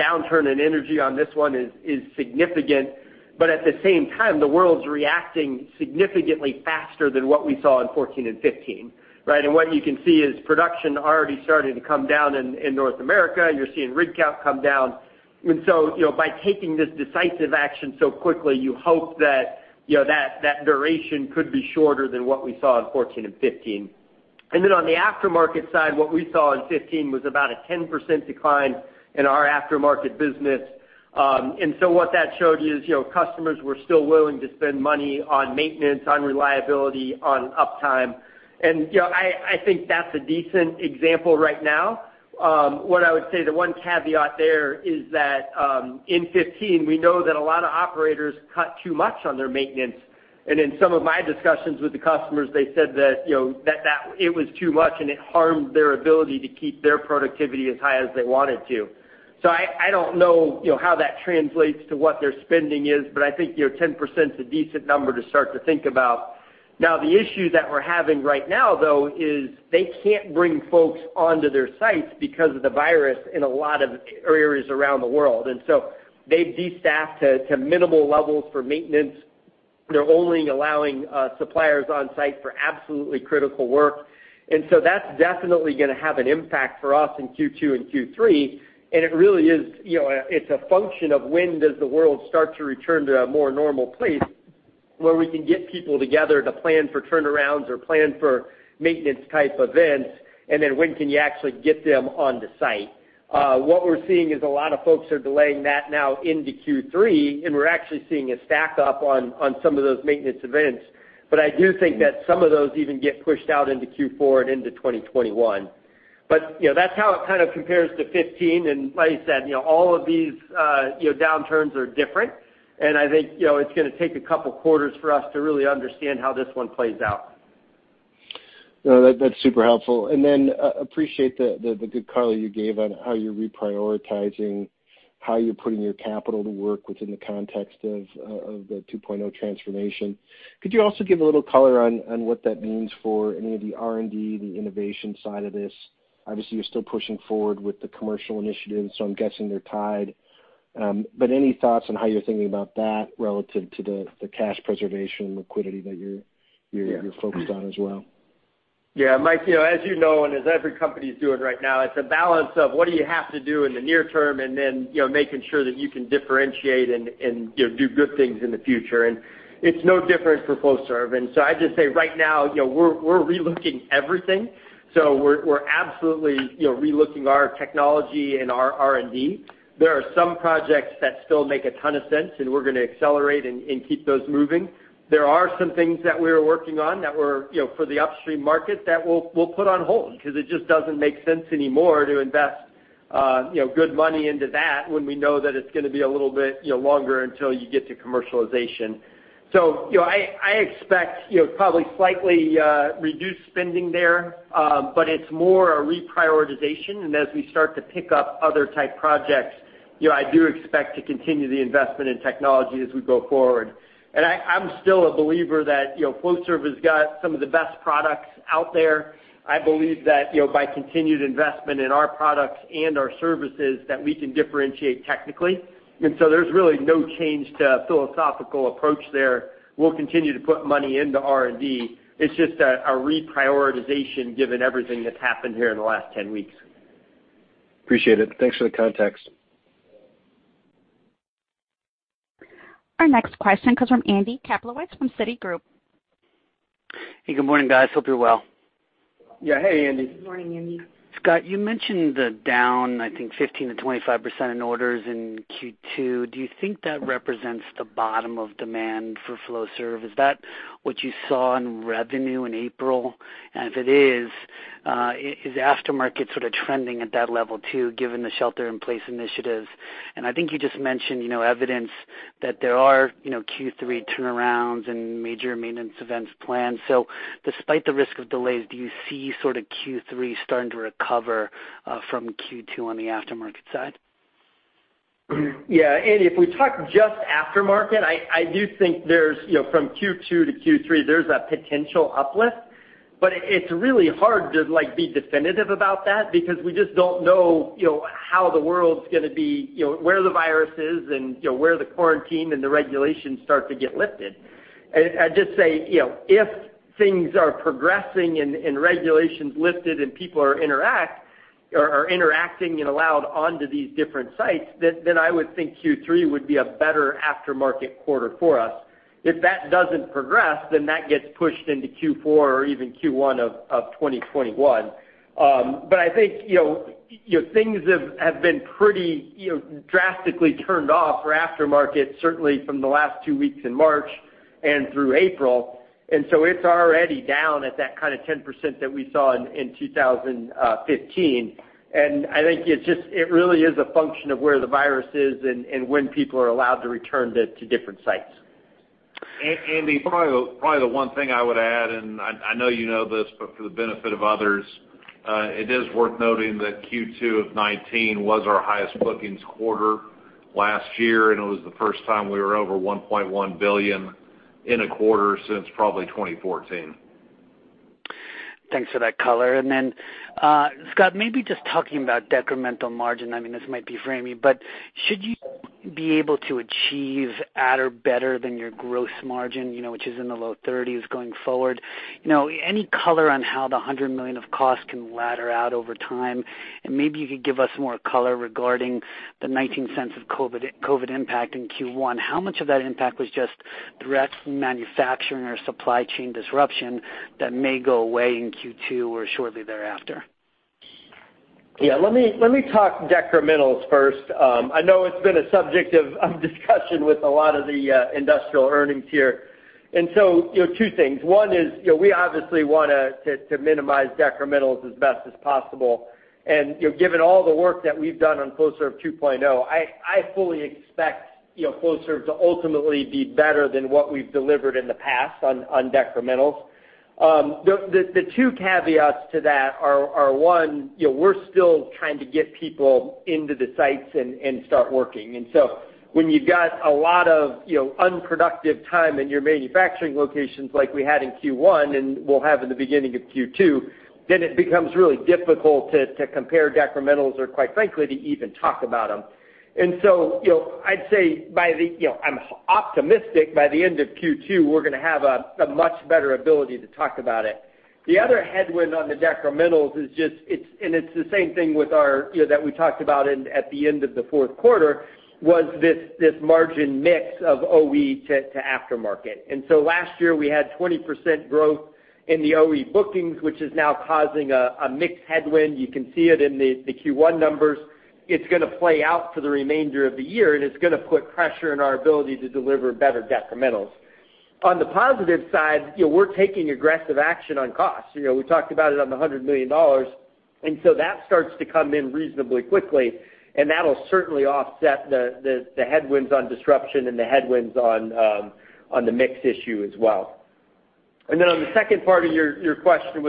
downturn in energy on this one is significant, but at the same time, the world's reacting significantly faster than what we saw in 2014 and 2015, right? What you can see is production already starting to come down in North America. You're seeing rig count come down. By taking this decisive action so quickly, you hope that that duration could be shorter than what we saw in 2014 and 2015. On the aftermarket side, what we saw in 2015 was about a 10% decline in our aftermarket business. What that showed you is customers were still willing to spend money on maintenance, on reliability, on uptime. I think that's a decent example right now. What I would say the one caveat there is that in 2015, we know that a lot of operators cut too much on their maintenance. In some of my discussions with the customers, they said that it was too much and it harmed their ability to keep their productivity as high as they wanted to. I don't know how that translates to what their spending is, but I think 10% is a decent number to start to think about. Now, the issue that we're having right now, though, is they can't bring folks onto their sites because of the virus in a lot of areas around the world. They've destaffed to minimal levels for maintenance. They're only allowing suppliers on site for absolutely critical work. That's definitely going to have an impact for us in Q2 and Q3. It really is a function of when does the world start to return to a more normal place where we can get people together to plan for turnarounds or plan for maintenance type events, and then when can you actually get them on the site. What we're seeing is a lot of folks are delaying that now into Q3, and we're actually seeing a stack up on some of those maintenance events. I do think that some of those even get pushed out into Q4 and into 2021. That's how it kind of compares to 2015. Like I said, all of these downturns are different, and I think it's going to take a couple of quarters for us to really understand how this one plays out. No, that's super helpful. Appreciate the good color you gave on how you're reprioritizing, how you're putting your capital to work within the context of the 2.0 Transformation. Could you also give a little color on what that means for any of the R&D, the innovation side of this? Obviously, you're still pushing forward with the commercial initiatives, so I'm guessing they're tied. Any thoughts on how you're thinking about that relative to the cash preservation liquidity that you're focused on as well? Yeah, Mike, as you know, and as every company is doing right now, it's a balance of what do you have to do in the near term and then making sure that you can differentiate and do good things in the future. It's no different for Flowserve. I'd just say right now, we're relooking everything. We're absolutely relooking our technology and our R&D. There are some projects that still make a ton of sense, and we're going to accelerate and keep those moving. There are some things that we're working on that were for the upstream market that we'll put on hold because it just doesn't make sense anymore to invest good money into that when we know that it's going to be a little bit longer until you get to commercialization. I expect probably slightly reduced spending there, but it's more a reprioritization. As we start to pick up other type projects, I do expect to continue the investment in technology as we go forward. I'm still a believer that Flowserve has got some of the best products out there. I believe that by continued investment in our products and our services, that we can differentiate technically. There's really no change to philosophical approach there. We'll continue to put money into R&D. It's just a reprioritization given everything that's happened here in the last 10 weeks. Appreciate it. Thanks for the context. Our next question comes from Andy Kaplowitz from Citigroup. Hey, good morning, guys. Hope you're well. Yeah. Hey, Andy. Good morning, Andy. Scott, you mentioned the down, I think 15%-25% in orders in Q2. Do you think that represents the bottom of demand for Flowserve? Is that what you saw in revenue in April? If it is aftermarket sort of trending at that level too, given the shelter-in-place initiatives? I think you just mentioned evidence that there are Q3 turnarounds and major maintenance events planned. Despite the risk of delays, do you see sort of Q3 starting to recover from Q2 on the aftermarket side? Yeah, Andy, if we talk just aftermarket, I do think from Q2 to Q3, there's a potential uplift, but it's really hard to be definitive about that because we just don't know how the world's going to be, where the virus is, and where the quarantine and the regulations start to get lifted. I'd just say, if things are progressing and regulations lifted and people are interacting and allowed onto these different sites, then I would think Q3 would be a better aftermarket quarter for us. If that doesn't progress, then that gets pushed into Q4 or even Q1 of 2021. I think things have been pretty drastically turned off for aftermarket, certainly from the last two weeks in March and through April. It's already down at that kind of 10% that we saw in 2015. I think it really is a function of where the virus is and when people are allowed to return to different sites. Andy, probably the one thing I would add, and I know you know this, but for the benefit of others, it is worth noting that Q2 of 2019 was our highest bookings quarter last year, and it was the first time we were over $1.1 billion in a quarter since probably 2014. Thanks for that color. Scott, maybe just talking about decremental margin. This might be for Amy, but should you be able to achieve at or better than your gross margin which is in the low-$30 million going forward? Any color on how the $100 million of cost can ladder out over time? Maybe you could give us more color regarding the $0.19 of COVID impact in Q1. How much of that impact was just direct from manufacturing or supply chain disruption that may go away in Q2 or shortly thereafter? Yeah, let me talk decrementals first. I know it's been a subject of discussion with a lot of the industrial earnings here. Two things. One is, we obviously want to minimize decrementals as best as possible. Given all the work that we've done on Flowserve 2.0, I fully expect Flowserve to ultimately be better than what we've delivered in the past on decrementals. The two caveats to that are, one, we're still trying to get people into the sites and start working. When you've got a lot of unproductive time in your manufacturing locations like we had in Q1 and will have in the beginning of Q2, then it becomes really difficult to compare decrementals or quite frankly, to even talk about them. I'd say I'm optimistic by the end of Q2, we're going to have a much better ability to talk about it. The other headwind on the decrementals is just, and it's the same thing that we talked about at the end of the fourth quarter, was this margin mix of OE to aftermarket. Last year, we had 20% growth in the OE bookings, which is now causing a mix headwind. You can see it in the Q1 numbers. It's going to play out for the remainder of the year, and it's going to put pressure on our ability to deliver better decrementals. On the positive side, we're taking aggressive action on costs. We talked about it on the $100 million. That starts to come in reasonably quickly, and that'll certainly offset the headwinds on disruption and the headwinds on the mix issue as well. On the second part of your question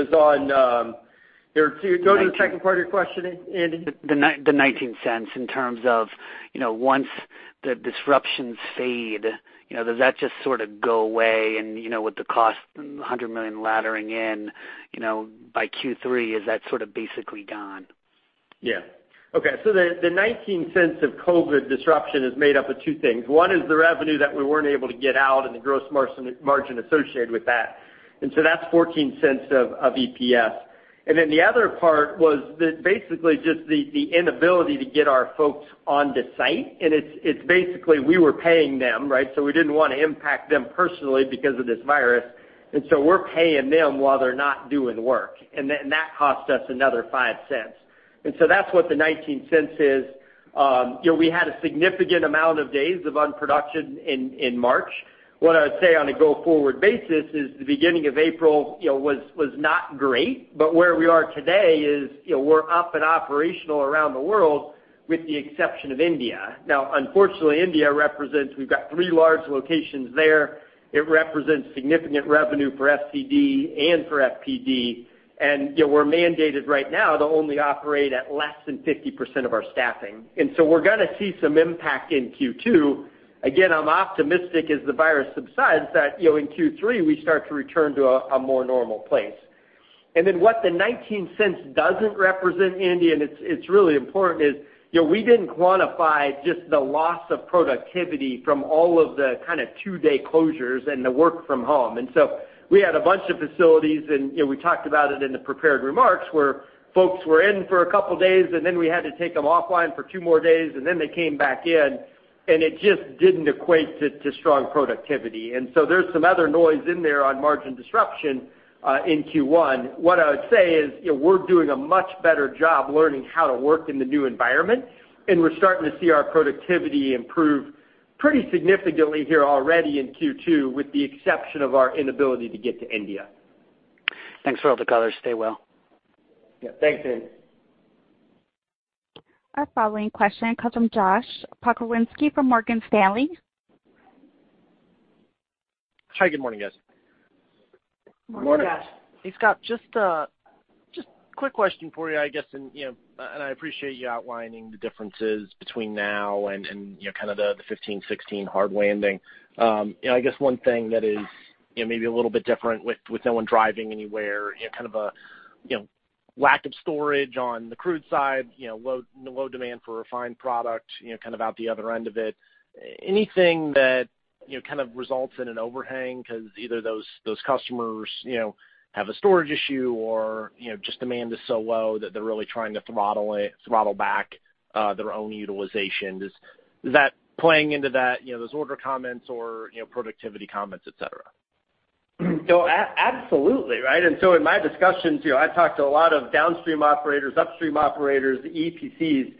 go to the second part of your question, Andy? The $0.19 in terms of once the disruptions fade, does that just sort of go away? With the cost, $100 million laddering in by Q3, is that sort of basically gone? Yeah. Okay. The $0.19 of COVID disruption is made up of two things. One is the revenue that we weren't able to get out and the gross margin associated with that. That's $0.14 of EPS. The other part was basically just the inability to get our folks on the site. It's basically we were paying them, so we didn't want to impact them personally because of this virus. We're paying them while they're not doing work, and that cost us another $0.05. That's what the $0.19 is. We had a significant amount of days of unproduction in March. What I would say on a go-forward basis is the beginning of April was not great. Where we are today is we're up and operational around the world, with the exception of India. Unfortunately, India represents we've got three large locations there. It represents significant revenue for FCD and for FPD. We're mandated right now to only operate at less than 50% of our staffing. We're going to see some impact in Q2. Again, I'm optimistic as the virus subsides, that in Q3, we start to return to a more normal place. What the $0.19 doesn't represent, Andy, and it's really important is, we didn't quantify just the loss of productivity from all of the kind of two-day closures and the work from home. We had a bunch of facilities, and we talked about it in the prepared remarks, where folks were in for a couple of days, and then we had to take them offline for two more days, and then they came back in, and it just didn't equate to strong productivity. There's some other noise in there on margin disruption in Q1. What I would say is we're doing a much better job learning how to work in the new environment, and we're starting to see our productivity improve pretty significantly here already in Q2, with the exception of our inability to get to India. Thanks for all the color. Stay well. Yeah. Thanks, Andy. Our following question comes from Josh Pokrzywinski from Morgan Stanley. Hi, good morning, guys. Morning. Morning, Josh. Hey, Scott, just a quick question for you, I guess. I appreciate you outlining the differences between now and kind of the 2015, 2016 hard landing. I guess one thing that is maybe a little bit different with no one driving anywhere, kind of a lack of storage on the crude side, low demand for refined product out the other end of it, anything that kind of results in an overhang because either those customers have a storage issue or just demand is so low that they're really trying to throttle back their own utilization, is that playing into that, those order comments or productivity comments, et cetera? Absolutely, right? In my discussions, I've talked to a lot of downstream operators, upstream operators, EPCs.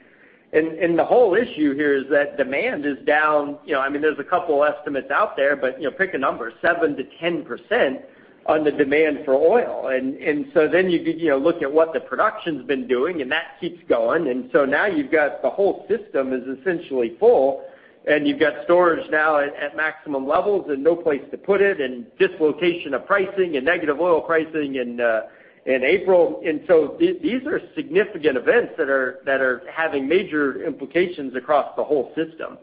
The whole issue here is that demand is down. There's a couple estimates out there, but pick a number, 7%-10% on the demand for oil. Then you could look at what the production's been doing, and that keeps going. Now you've got the whole system is essentially full, and you've got storage now at maximum levels and no place to put it and dislocation of pricing and negative oil pricing in April. These are significant events that are having major implications across the whole system.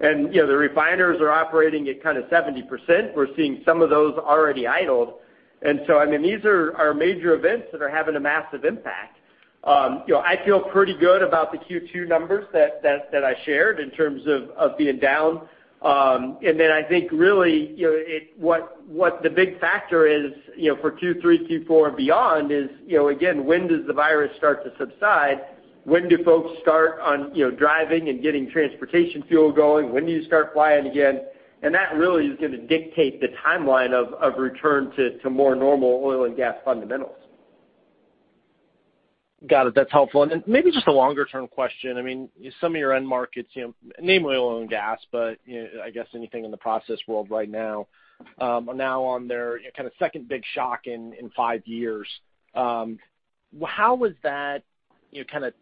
The refiners are operating at kind of 70%. We're seeing some of those already idled. These are major events that are having a massive impact. I feel pretty good about the Q2 numbers that I shared in terms of being down. I think really, what the big factor is for Q3, Q4 and beyond is, again, when does the virus start to subside? When do folks start on driving and getting transportation fuel going? When do you start flying again? That really is going to dictate the timeline of return to more normal oil and gas fundamentals. Got it. That's helpful. Maybe just a longer-term question. Some of your end markets, namely oil and gas, but I guess anything in the process world right now are now on their kind of second big shock in five years. How has that kind of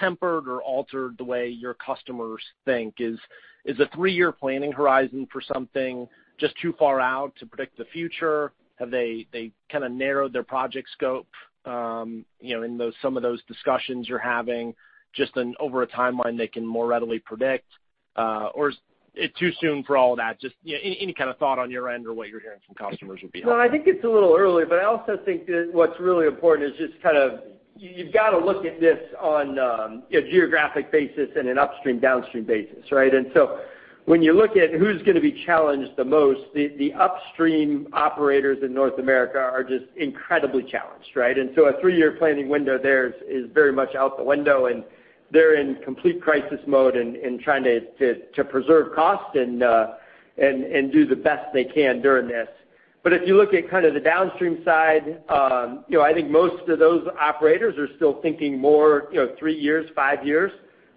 tempered or altered the way your customers think? Is a three-year planning horizon for something just too far out to predict the future? Have they kind of narrowed their project scope in some of those discussions you're having just over a timeline they can more readily predict? Is it too soon for all that? Just any kind of thought on your end or what you're hearing from customers would be helpful. I think it's a little early, but I also think that what's really important is just kind of you've got to look at this on a geographic basis and an upstream/downstream basis, right? When you look at who's going to be challenged the most, the upstream operators in North America are just incredibly challenged, right? A three-year planning window there is very much out the window, and they're in complete crisis mode and trying to preserve cost and do the best they can during this. If you look at kind of the downstream side, I think most of those operators are still thinking more three years, five years.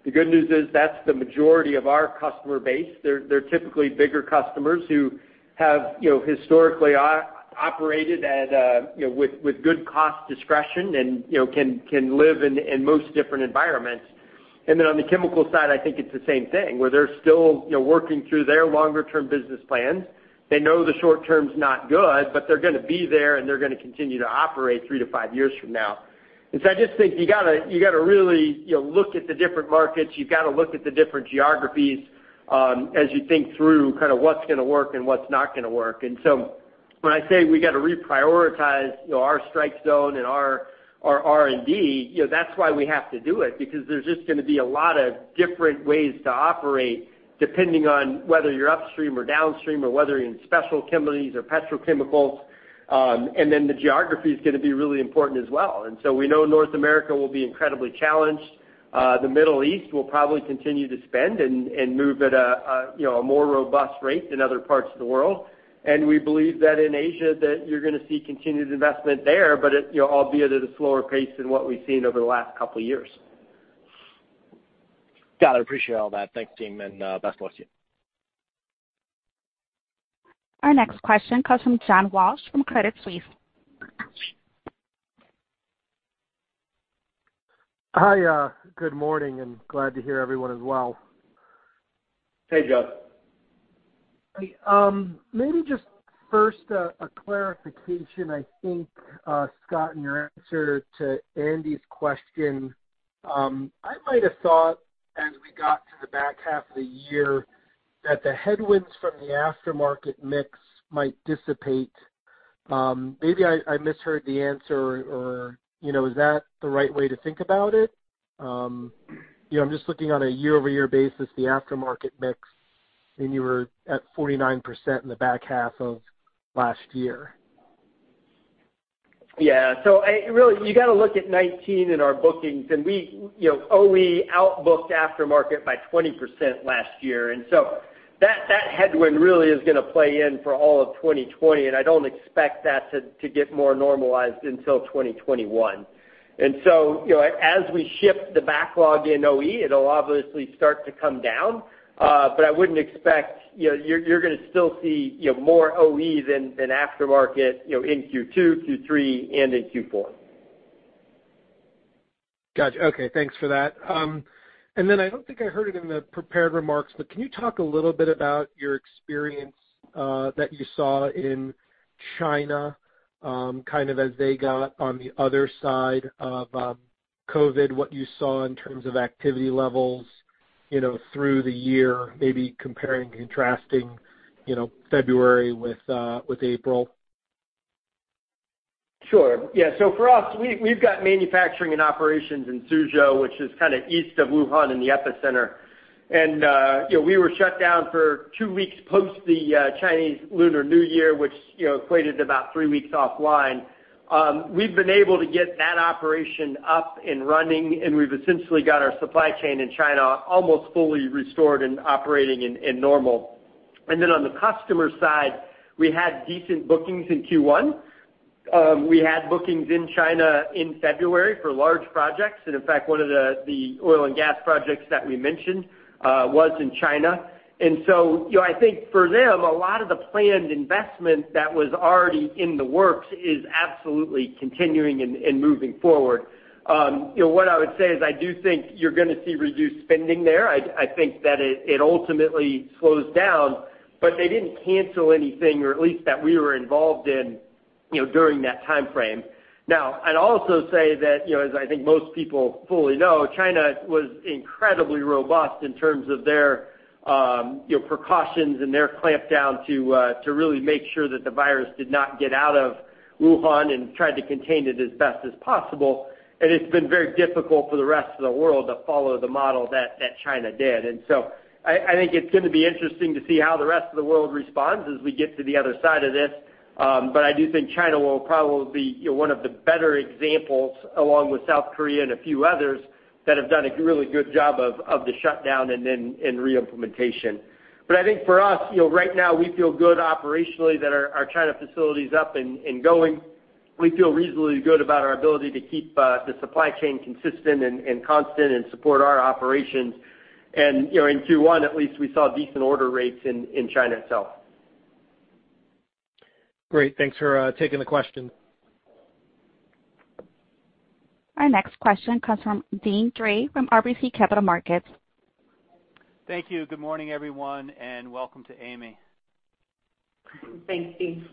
The good news is that's the majority of our customer base. They're typically bigger customers who have historically operated with good cost discretion and can live in most different environments. On the chemical side, I think it's the same thing, where they're still working through their longer-term business plans. They know the short term's not good, but they're going to be there, and they're going to continue to operate three to five years from now. I just think you got to really look at the different markets. You've got to look at the different geographies as you think through what's going to work and what's not going to work. When I say we got to reprioritize our Strike Zone and our R&D, that's why we have to do it, because there's just going to be a lot of different ways to operate depending on whether you're upstream or downstream or whether you're in special chemicals or petrochemicals. The geography is going to be really important as well. We know North America will be incredibly challenged. The Middle East will probably continue to spend and move at a more robust rate than other parts of the world. We believe that in Asia, that you're going to see continued investment there, but albeit at a slower pace than what we've seen over the last couple of years. Got it. Appreciate all that. Thanks, team, and best of luck to you. Our next question comes from John Walsh from Credit Suisse. Hi, good morning, and glad to hear everyone as well. Hey, John. Maybe just first a clarification. I think, Scott, in your answer to Andy's question, I might have thought as we got to the back half of the year that the headwinds from the aftermarket mix might dissipate. Maybe I misheard the answer or is that the right way to think about it? I'm just looking on a year-over-year basis, the aftermarket mix, you were at 49% in the back half of last year. Really, you got to look at 2019 in our bookings, and OE outbooked aftermarket by 20% last year. That headwind really is going to play in for all of 2020, and I don't expect that to get more normalized until 2021. As we ship the backlog in OE, it'll obviously start to come down. I wouldn't expect. You're going to still see more OE than aftermarket in Q2, Q3, and in Q4. Got you. Okay, thanks for that. I don't think I heard it in the prepared remarks, but can you talk a little bit about your experience that you saw in China, kind of as they got on the other side of COVID, what you saw in terms of activity levels through the year, maybe comparing, contrasting February with April? Sure. Yeah. For us, we've got manufacturing and operations in Suzhou, which is kind of east of Wuhan in the epicenter. We were shut down for two weeks post the Chinese Lunar New Year, which equated to about three weeks offline. We've been able to get that operation up and running, and we've essentially got our supply chain in China almost fully restored and operating and normal. On the customer side, we had decent bookings in Q1. We had bookings in China in February for large projects. In fact, one of the oil and gas projects that we mentioned was in China. I think for them, a lot of the planned investment that was already in the works is absolutely continuing and moving forward. What I would say is I do think you're going to see reduced spending there. I think that it ultimately slows down, but they didn't cancel anything, or at least that we were involved in during that timeframe. I'd also say that, as I think most people fully know, China was incredibly robust in terms of their precautions and their clampdown to really make sure that the virus did not get out of Wuhan and tried to contain it as best as possible. It's been very difficult for the rest of the world to follow the model that China did. I think it's going to be interesting to see how the rest of the world responds as we get to the other side of this. I do think China will probably be one of the better examples, along with South Korea and a few others, that have done a really good job of the shutdown and re-implementation. I think for us, right now we feel good operationally that our China facility's up and going. We feel reasonably good about our ability to keep the supply chain consistent and constant and support our operations. In Q1 at least, we saw decent order rates in China itself. Great. Thanks for taking the question. Our next question comes from Deane Dray from RBC Capital Markets. Thank you. Good morning, everyone, and welcome to Amy. Thanks, Deane.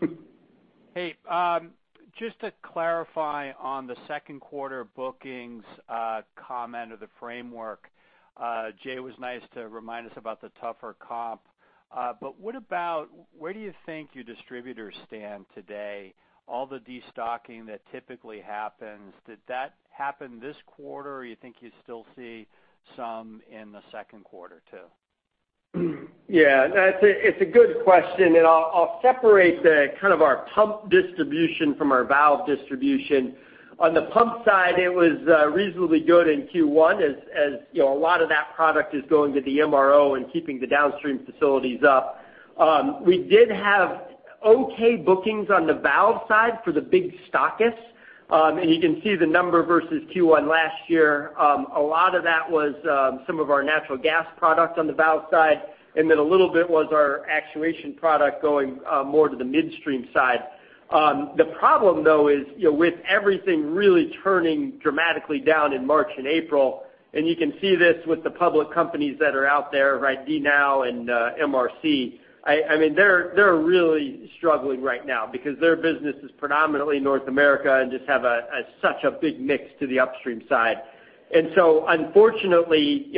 Hey, just to clarify on the second quarter bookings comment or the framework, Jay was nice to remind us about the tougher comp. Where do you think your distributors stand today? All the destocking that typically happens, did that happen this quarter, or you think you still see some in the second quarter, too? Yeah. It's a good question, and I'll separate kind of our pump distribution from our valve distribution. On the pump side, it was reasonably good in Q1 as a lot of that product is going to the MRO and keeping the downstream facilities up. We did have okay bookings on the valve side for the big stockists. You can see the number versus Q1 last year. A lot of that was some of our natural gas products on the valve side, and then a little bit was our actuation product going more to the midstream side. The problem, though, is with everything really turning dramatically down in March and April, and you can see this with the public companies that are out there, DNOW and MRC, they're really struggling right now because their business is predominantly North America and just have such a big mix to the upstream side. Unfortunately,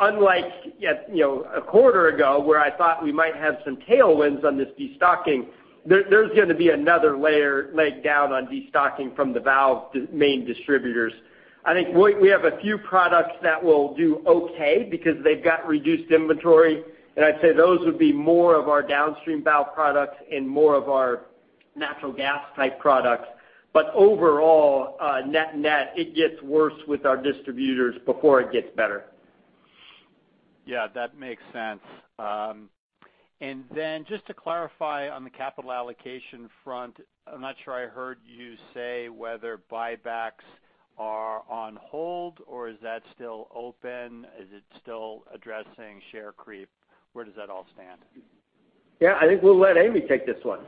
unlike a quarter ago where I thought we might have some tailwinds on this de-stocking, there's going to be another layer leg down on de-stocking from the valve main distributors. I think we have a few products that will do okay because they've got reduced inventory, and I'd say those would be more of our downstream valve products and more of our natural gas type products. Overall, net net, it gets worse with our distributors before it gets better. Yeah, that makes sense. Then just to clarify on the capital allocation front, I'm not sure I heard you say whether buybacks are on hold or is that still open? Is it still addressing share creep? Where does that all stand? Yeah, I think we'll let Amy take this one.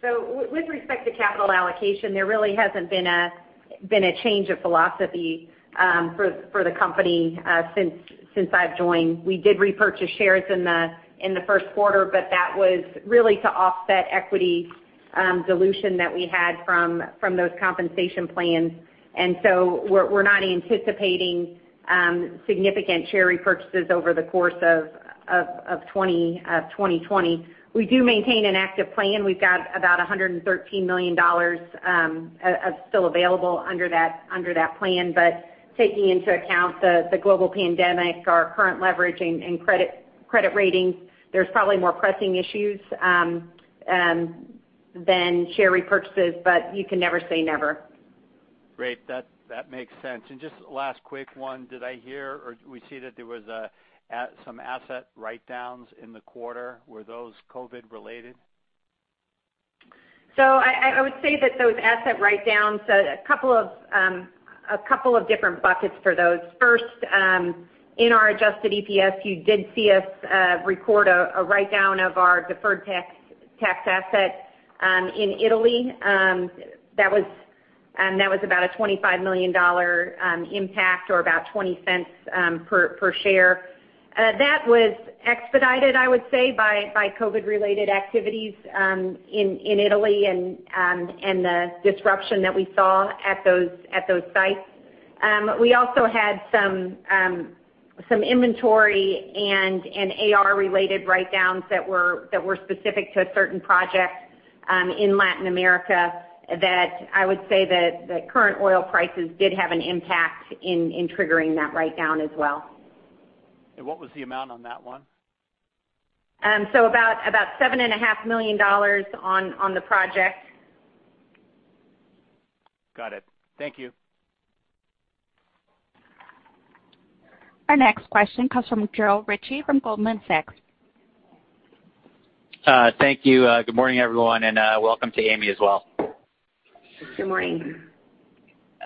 With respect to capital allocation, there really hasn't been a change of philosophy for the company since I've joined. We did repurchase shares in the first quarter, but that was really to offset equity dilution that we had from those compensation plans. We're not anticipating significant share repurchases over the course of 2020. We do maintain an active plan. We've got about $113 million still available under that plan. Taking into account the global pandemic, our current leverage and credit rating, there's probably more pressing issues than share repurchases, but you can never say never. Great. That makes sense. Just last quick one. Did I hear, or we see that there was some asset write-downs in the quarter? Were those COVID related? I would say that those asset write-downs, a couple of different buckets for those. First, in our adjusted EPS, you did see us record a write-down of our deferred tax asset in Italy. That was about a $25 million impact or about $0.20 per share. That was expedited, I would say, by COVID-related activities in Italy and the disruption that we saw at those sites. We also had some inventory and AR-related write-downs that were specific to a certain project in Latin America that I would say that current oil prices did have an impact in triggering that write-down as well. What was the amount on that one? About $7.5 million on the project. Got it. Thank you. Our next question comes from Joe Ritchie from Goldman Sachs. Thank you. Good morning, everyone, and welcome to Amy as well. Good morning.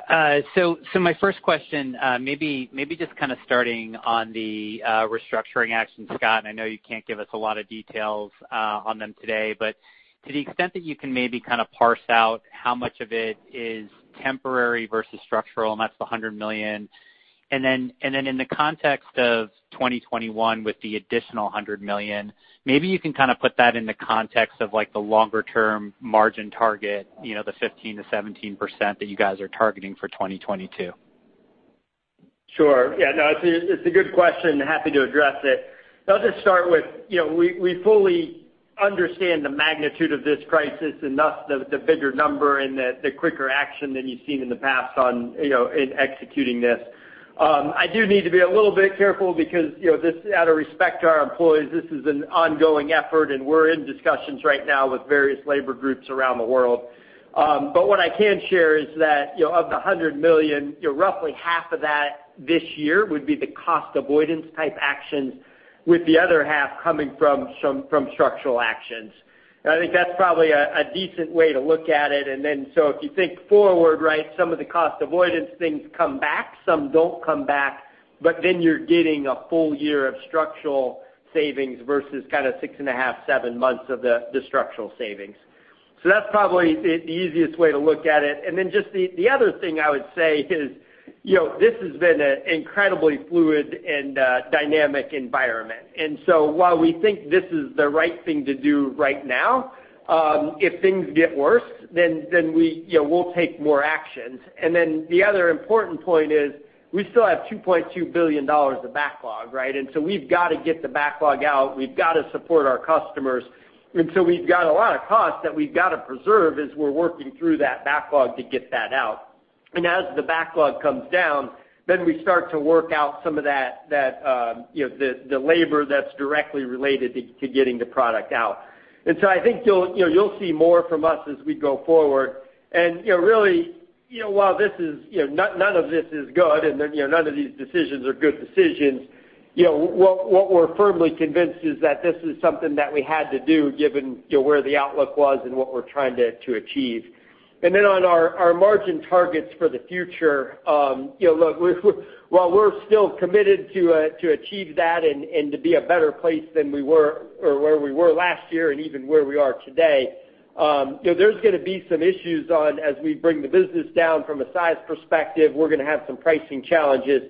My first question, maybe just kind of starting on the restructuring actions, Scott. I know you can't give us a lot of details on them today, but to the extent that you can maybe kind of parse out how much of it is temporary versus structural, and that's the $100 million. In the context of 2021 with the additional $100 million, maybe you can kind of put that in the context of the longer term margin target, the 15%-17% that you guys are targeting for 2022. Sure. Yeah, no, it's a good question. Happy to address it. I'll just start with we fully understand the magnitude of this crisis and thus the bigger number and the quicker action than you've seen in the past in executing this. I do need to be a little bit careful because out of respect to our employees, this is an ongoing effort, and we're in discussions right now with various labor groups around the world. What I can share is that of the $100 million, roughly half of that this year would be the cost avoidance type actions, with the other half coming from structural actions. I think that's probably a decent way to look at it. If you think forward, some of the cost avoidance things come back, some don't come back. Then you're getting a full year of structural savings versus kind of 6.5, seven months of the structural savings. That's probably the easiest way to look at it. Just the other thing I would say is this has been an incredibly fluid and dynamic environment. While we think this is the right thing to do right now, if things get worse, then we'll take more actions. The other important point is we still have $2.2 billion of backlog. We've got to get the backlog out. We've got to support our customers. We've got a lot of costs that we've got to preserve as we're working through that backlog to get that out. As the backlog comes down, then we start to work out some of the labor that's directly related to getting the product out. So I think you'll see more from us as we go forward. Really, while none of this is good, and none of these decisions are good decisions, what we're firmly convinced is that this is something that we had to do given where the outlook was and what we're trying to achieve. Then on our margin targets for the future, look, while we're still committed to achieve that and to be a better place than where we were last year and even where we are today, there's going to be some issues on as we bring the business down from a size perspective. We're going to have some pricing challenges.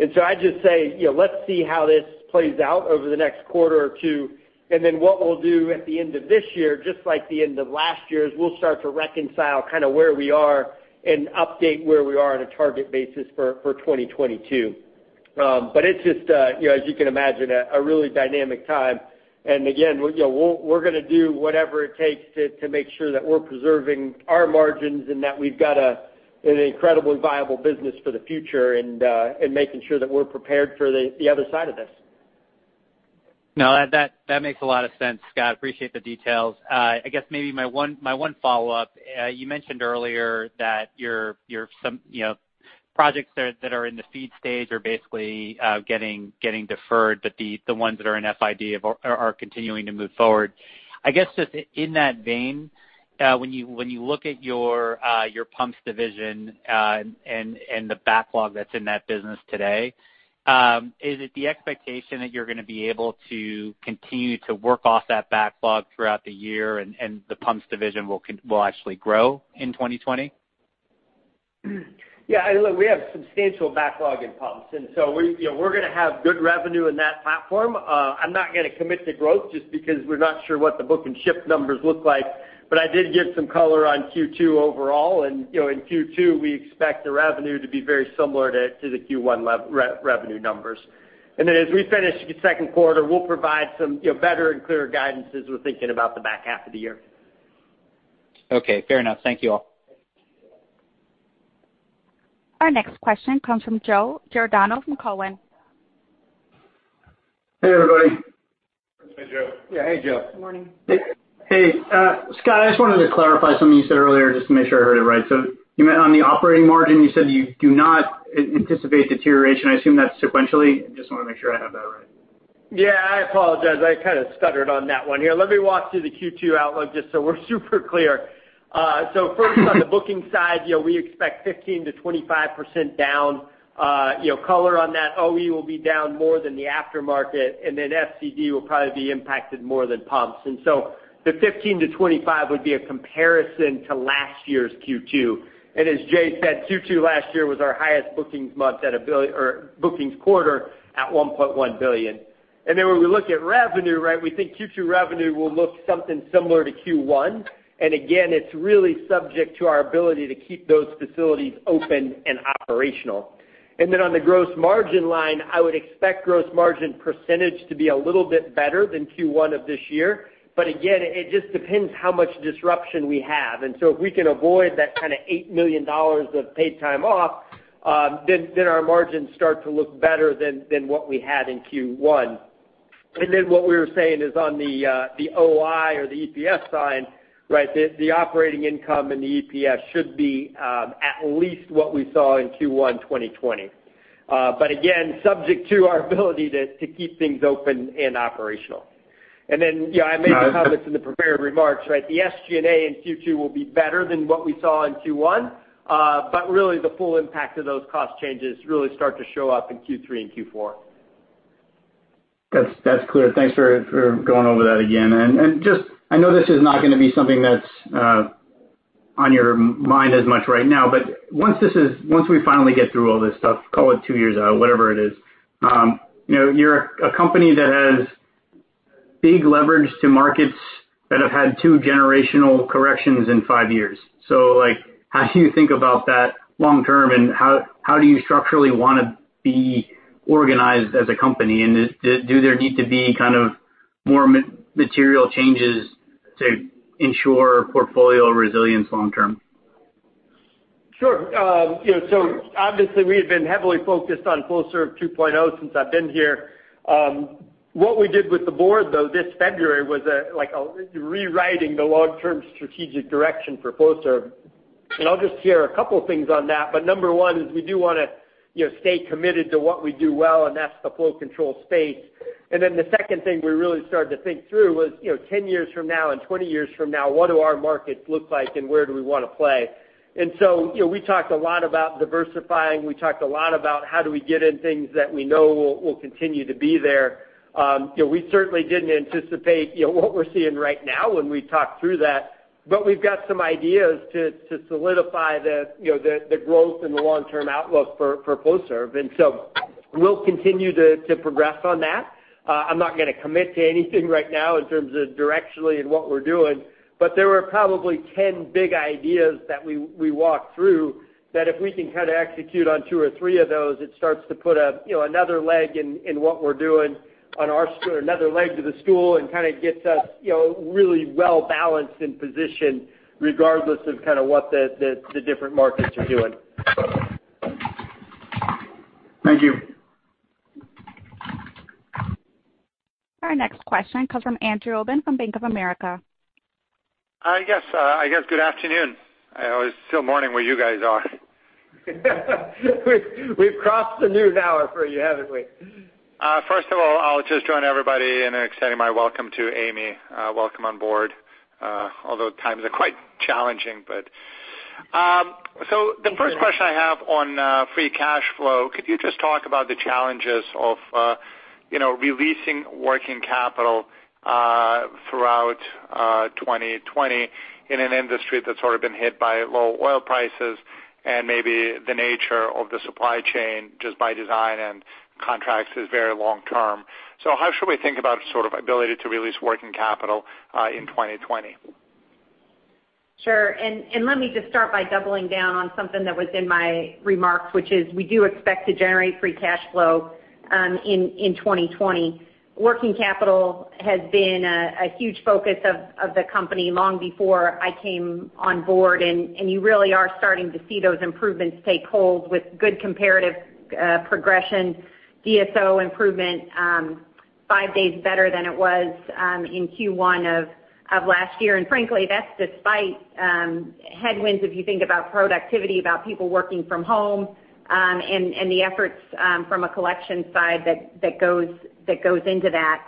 I'd just say, let's see how this plays out over the next quarter or two, and then what we'll do at the end of this year, just like the end of last year, is we'll start to reconcile where we are and update where we are on a target basis for 2022. It's just, as you can imagine, a really dynamic time. Again, we're going to do whatever it takes to make sure that we're preserving our margins and that we've got an incredibly viable business for the future and making sure that we're prepared for the other side of this. No, that makes a lot of sense, Scott. Appreciate the details. I guess maybe my one follow-up. You mentioned earlier that your projects that are in the FEED stage are basically getting deferred, but the ones that are in FID are continuing to move forward. I guess just in that vein, when you look at your pumps division and the backlog that's in that business today, is it the expectation that you're going to be able to continue to work off that backlog throughout the year, and the pumps division will actually grow in 2020? Yeah. Look, we have substantial backlog in pumps, and so we're going to have good revenue in that platform. I'm not going to commit to growth just because we're not sure what the book and ship numbers look like. I did give some color on Q2 overall, and in Q2, we expect the revenue to be very similar to the Q1 revenue numbers. As we finish the second quarter, we'll provide some better and clearer guidance as we're thinking about the back half of the year. Okay, fair enough. Thank you all. Our next question comes from Joe Giordano from Cowen. Hey, everybody. Hey, Joe. Yeah, hey, Joe. Good morning. Hey. Scott, I just wanted to clarify something you said earlier, just to make sure I heard it right. On the operating margin, you said you do not anticipate deterioration. I assume that's sequentially. I just want to make sure I have that right. I apologize. I kind of stuttered on that one here. Let me walk through the Q2 outlook just so we're super clear. First, on the booking side, we expect 15%-25% down. Color on that, OE will be down more than the aftermarket, then FCD will probably be impacted more than pumps. The 15%-25% would be a comparison to last year's Q2. As Jay said, Q2 last year was our highest bookings quarter at $1.1 billion. Then when we look at revenue, we think Q2 revenue will look something similar to Q1. Again, it's really subject to our ability to keep those facilities open and operational. Then on the gross margin line, I would expect gross margin percentage to be a little bit better than Q1 of this year. Again, it just depends how much disruption we have. If we can avoid that kind of $8 million of paid time off, then our margins start to look better than what we had in Q1. What we were saying is on the OI or the EPS side, the operating income and the EPS should be at least what we saw in Q1 2020. Again, subject to our ability to keep things open and operational. I made the comments in the prepared remarks, the SG&A in Q2 will be better than what we saw in Q1. The full impact of those cost changes really start to show up in Q3 and Q4. That's clear. Thanks for going over that again. I know this is not going to be something that's on your mind as much right now, but once we finally get through all this stuff, call it two years out, whatever it is, you're a company that has big leverage to markets that have had two generational corrections in five years. How do you think about that long term, and how do you structurally want to be organized as a company? Do there need to be more material changes to ensure portfolio resilience long term? Sure. Obviously, we have been heavily focused on Flowserve 2.0 since I've been here. What we did with the board, though, this February, was rewriting the long-term strategic direction for Flowserve. I'll just share a couple of things on that. Number one is we do want to stay committed to what we do well, and that's the flow control space. The second thing we really started to think through was, 10 years from now and 20 years from now, what do our markets look like and where do we want to play? We talked a lot about diversifying. We talked a lot about how do we get in things that we know will continue to be there. We certainly didn't anticipate what we're seeing right now when we talked through that. We've got some ideas to solidify the growth and the long-term outlook for Flowserve, we'll continue to progress on that. I'm not going to commit to anything right now in terms of directionally and what we're doing. There were probably 10 big ideas that we walked through that if we can kind of execute on two or three of those, it starts to put another leg to the stool and kind of gets us really well balanced in position regardless of what the different markets are doing. Thank you. Our next question comes from Andrew Obin from Bank of America. I guess, good afternoon. It's still morning where you guys are. We've crossed the noon hour for you, haven't we? First of all, I'll just join everybody in extending my welcome to Amy. Welcome on board, although times are quite challenging. The first question I have on free cash flow, could you just talk about the challenges of releasing working capital throughout 2020 in an industry that's sort of been hit by low oil prices and maybe the nature of the supply chain, just by design and contracts, is very long term. How should we think about ability to release working capital in 2020? Sure. Let me just start by doubling down on something that was in my remarks, which is we do expect to generate free cash flow in 2020. Working capital has been a huge focus of the company long before I came on board, and you really are starting to see those improvements take hold with good comparative progression. DSO improvement five days better than it was in Q1 of last year. Frankly, that's despite headwinds, if you think about productivity, about people working from home, and the efforts from a collection side that goes into that.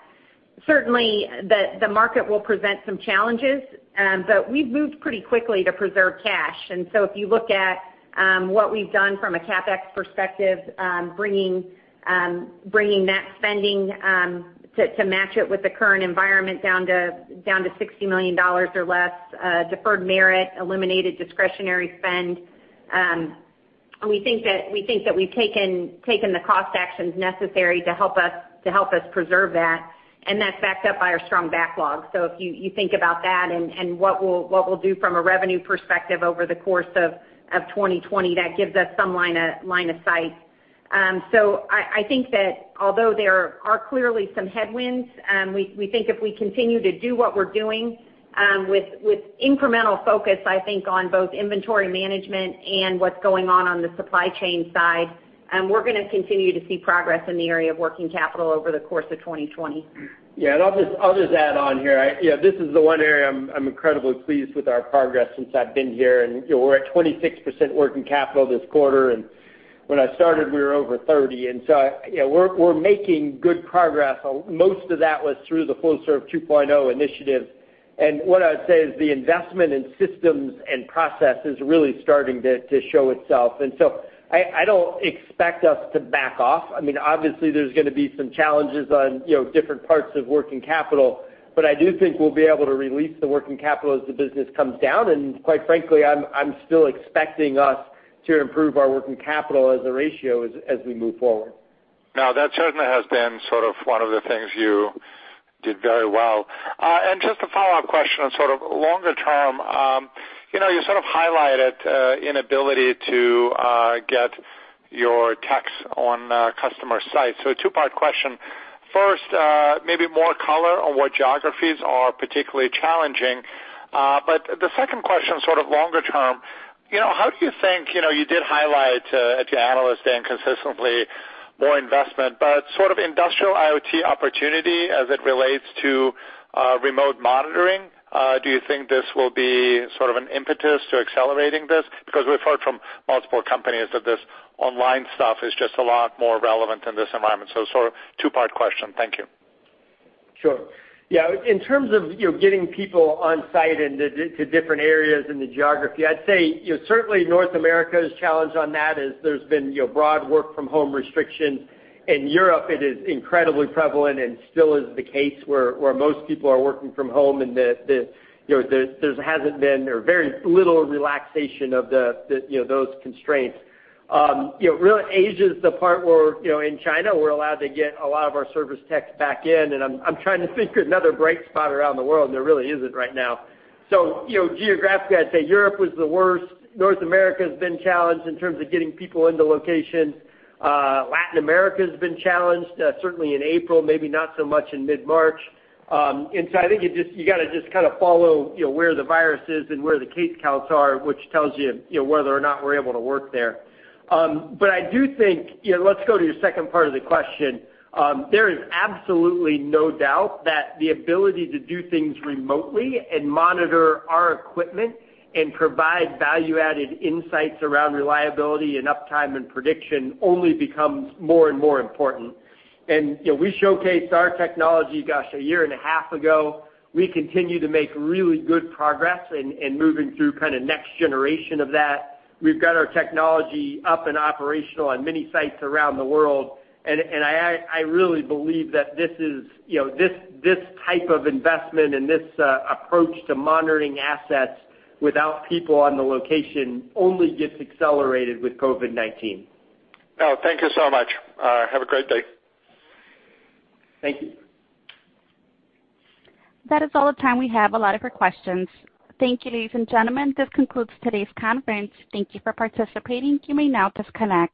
Certainly, the market will present some challenges, but we've moved pretty quickly to preserve cash. If you look at what we've done from a CapEx perspective, bringing that spending to match it with the current environment down to $60 million or less, deferred merit, eliminated discretionary spend. We think that we've taken the cost actions necessary to help us preserve that, and that's backed up by our strong backlog. If you think about that and what we'll do from a revenue perspective over the course of 2020, that gives us some line of sight. I think that although there are clearly some headwinds, we think if we continue to do what we're doing, with incremental focus, I think on both inventory management and what's going on on the supply chain side, we're going to continue to see progress in the area of working capital over the course of 2020. Yeah, I'll just add on here. This is the one area I'm incredibly pleased with our progress since I've been here, and we're at 26% working capital this quarter, and when I started, we were over 30%. We're making good progress. Most of that was through the Flowserve 2.0 initiative. What I would say is the investment in systems and processes is really starting to show itself. I don't expect us to back off. Obviously, there's going to be some challenges on different parts of working capital, but I do think we'll be able to release the working capital as the business comes down. Quite frankly, I'm still expecting us to improve our working capital as a ratio as we move forward. That certainly has been one of the things you did very well. Just a follow-up question on sort of longer term. You sort of highlighted inability to get your techs on customer sites. A two-part question. First, maybe more color on what geographies are particularly challenging. The second question, sort of longer term, you did highlight at the Analyst Day and consistently more investment, but sort of industrial IoT opportunity as it relates to remote monitoring, do you think this will be sort of an impetus to accelerating this? We've heard from multiple companies that this online stuff is just a lot more relevant in this environment. Sort of two-part question. Thank you. Sure. Yeah, in terms of getting people on site into different areas in the geography, I'd say certainly North America's challenge on that is there's been broad work from home restrictions. In Europe, it is incredibly prevalent and still is the case where most people are working from home and there's hasn't been, or very little relaxation of those constraints. Asia is the part where in China we're allowed to get a lot of our service techs back in, and I'm trying to think of another bright spot around the world, and there really isn't right now. Geographically, I'd say Europe was the worst. North America has been challenged in terms of getting people into locations. Latin America has been challenged, certainly in April, maybe not so much in mid-March. I think you got to just kind of follow where the virus is and where the case counts are, which tells you whether or not we're able to work there. I do think, let's go to your second part of the question. There is absolutely no doubt that the ability to do things remotely and monitor our equipment and provide value-added insights around reliability and uptime and prediction only becomes more and more important. We showcased our technology, gosh, a year and a half ago. We continue to make really good progress in moving through kind of next generation of that. We've got our technology up and operational on many sites around the world, and I really believe that this type of investment and this approach to monitoring assets without people on the location only gets accelerated with COVID-19. Oh, thank you so much. Have a great day. Thank you. That is all the time we have allotted for questions. Thank you, ladies and gentlemen. This concludes today's conference. Thank you for participating. You may now disconnect.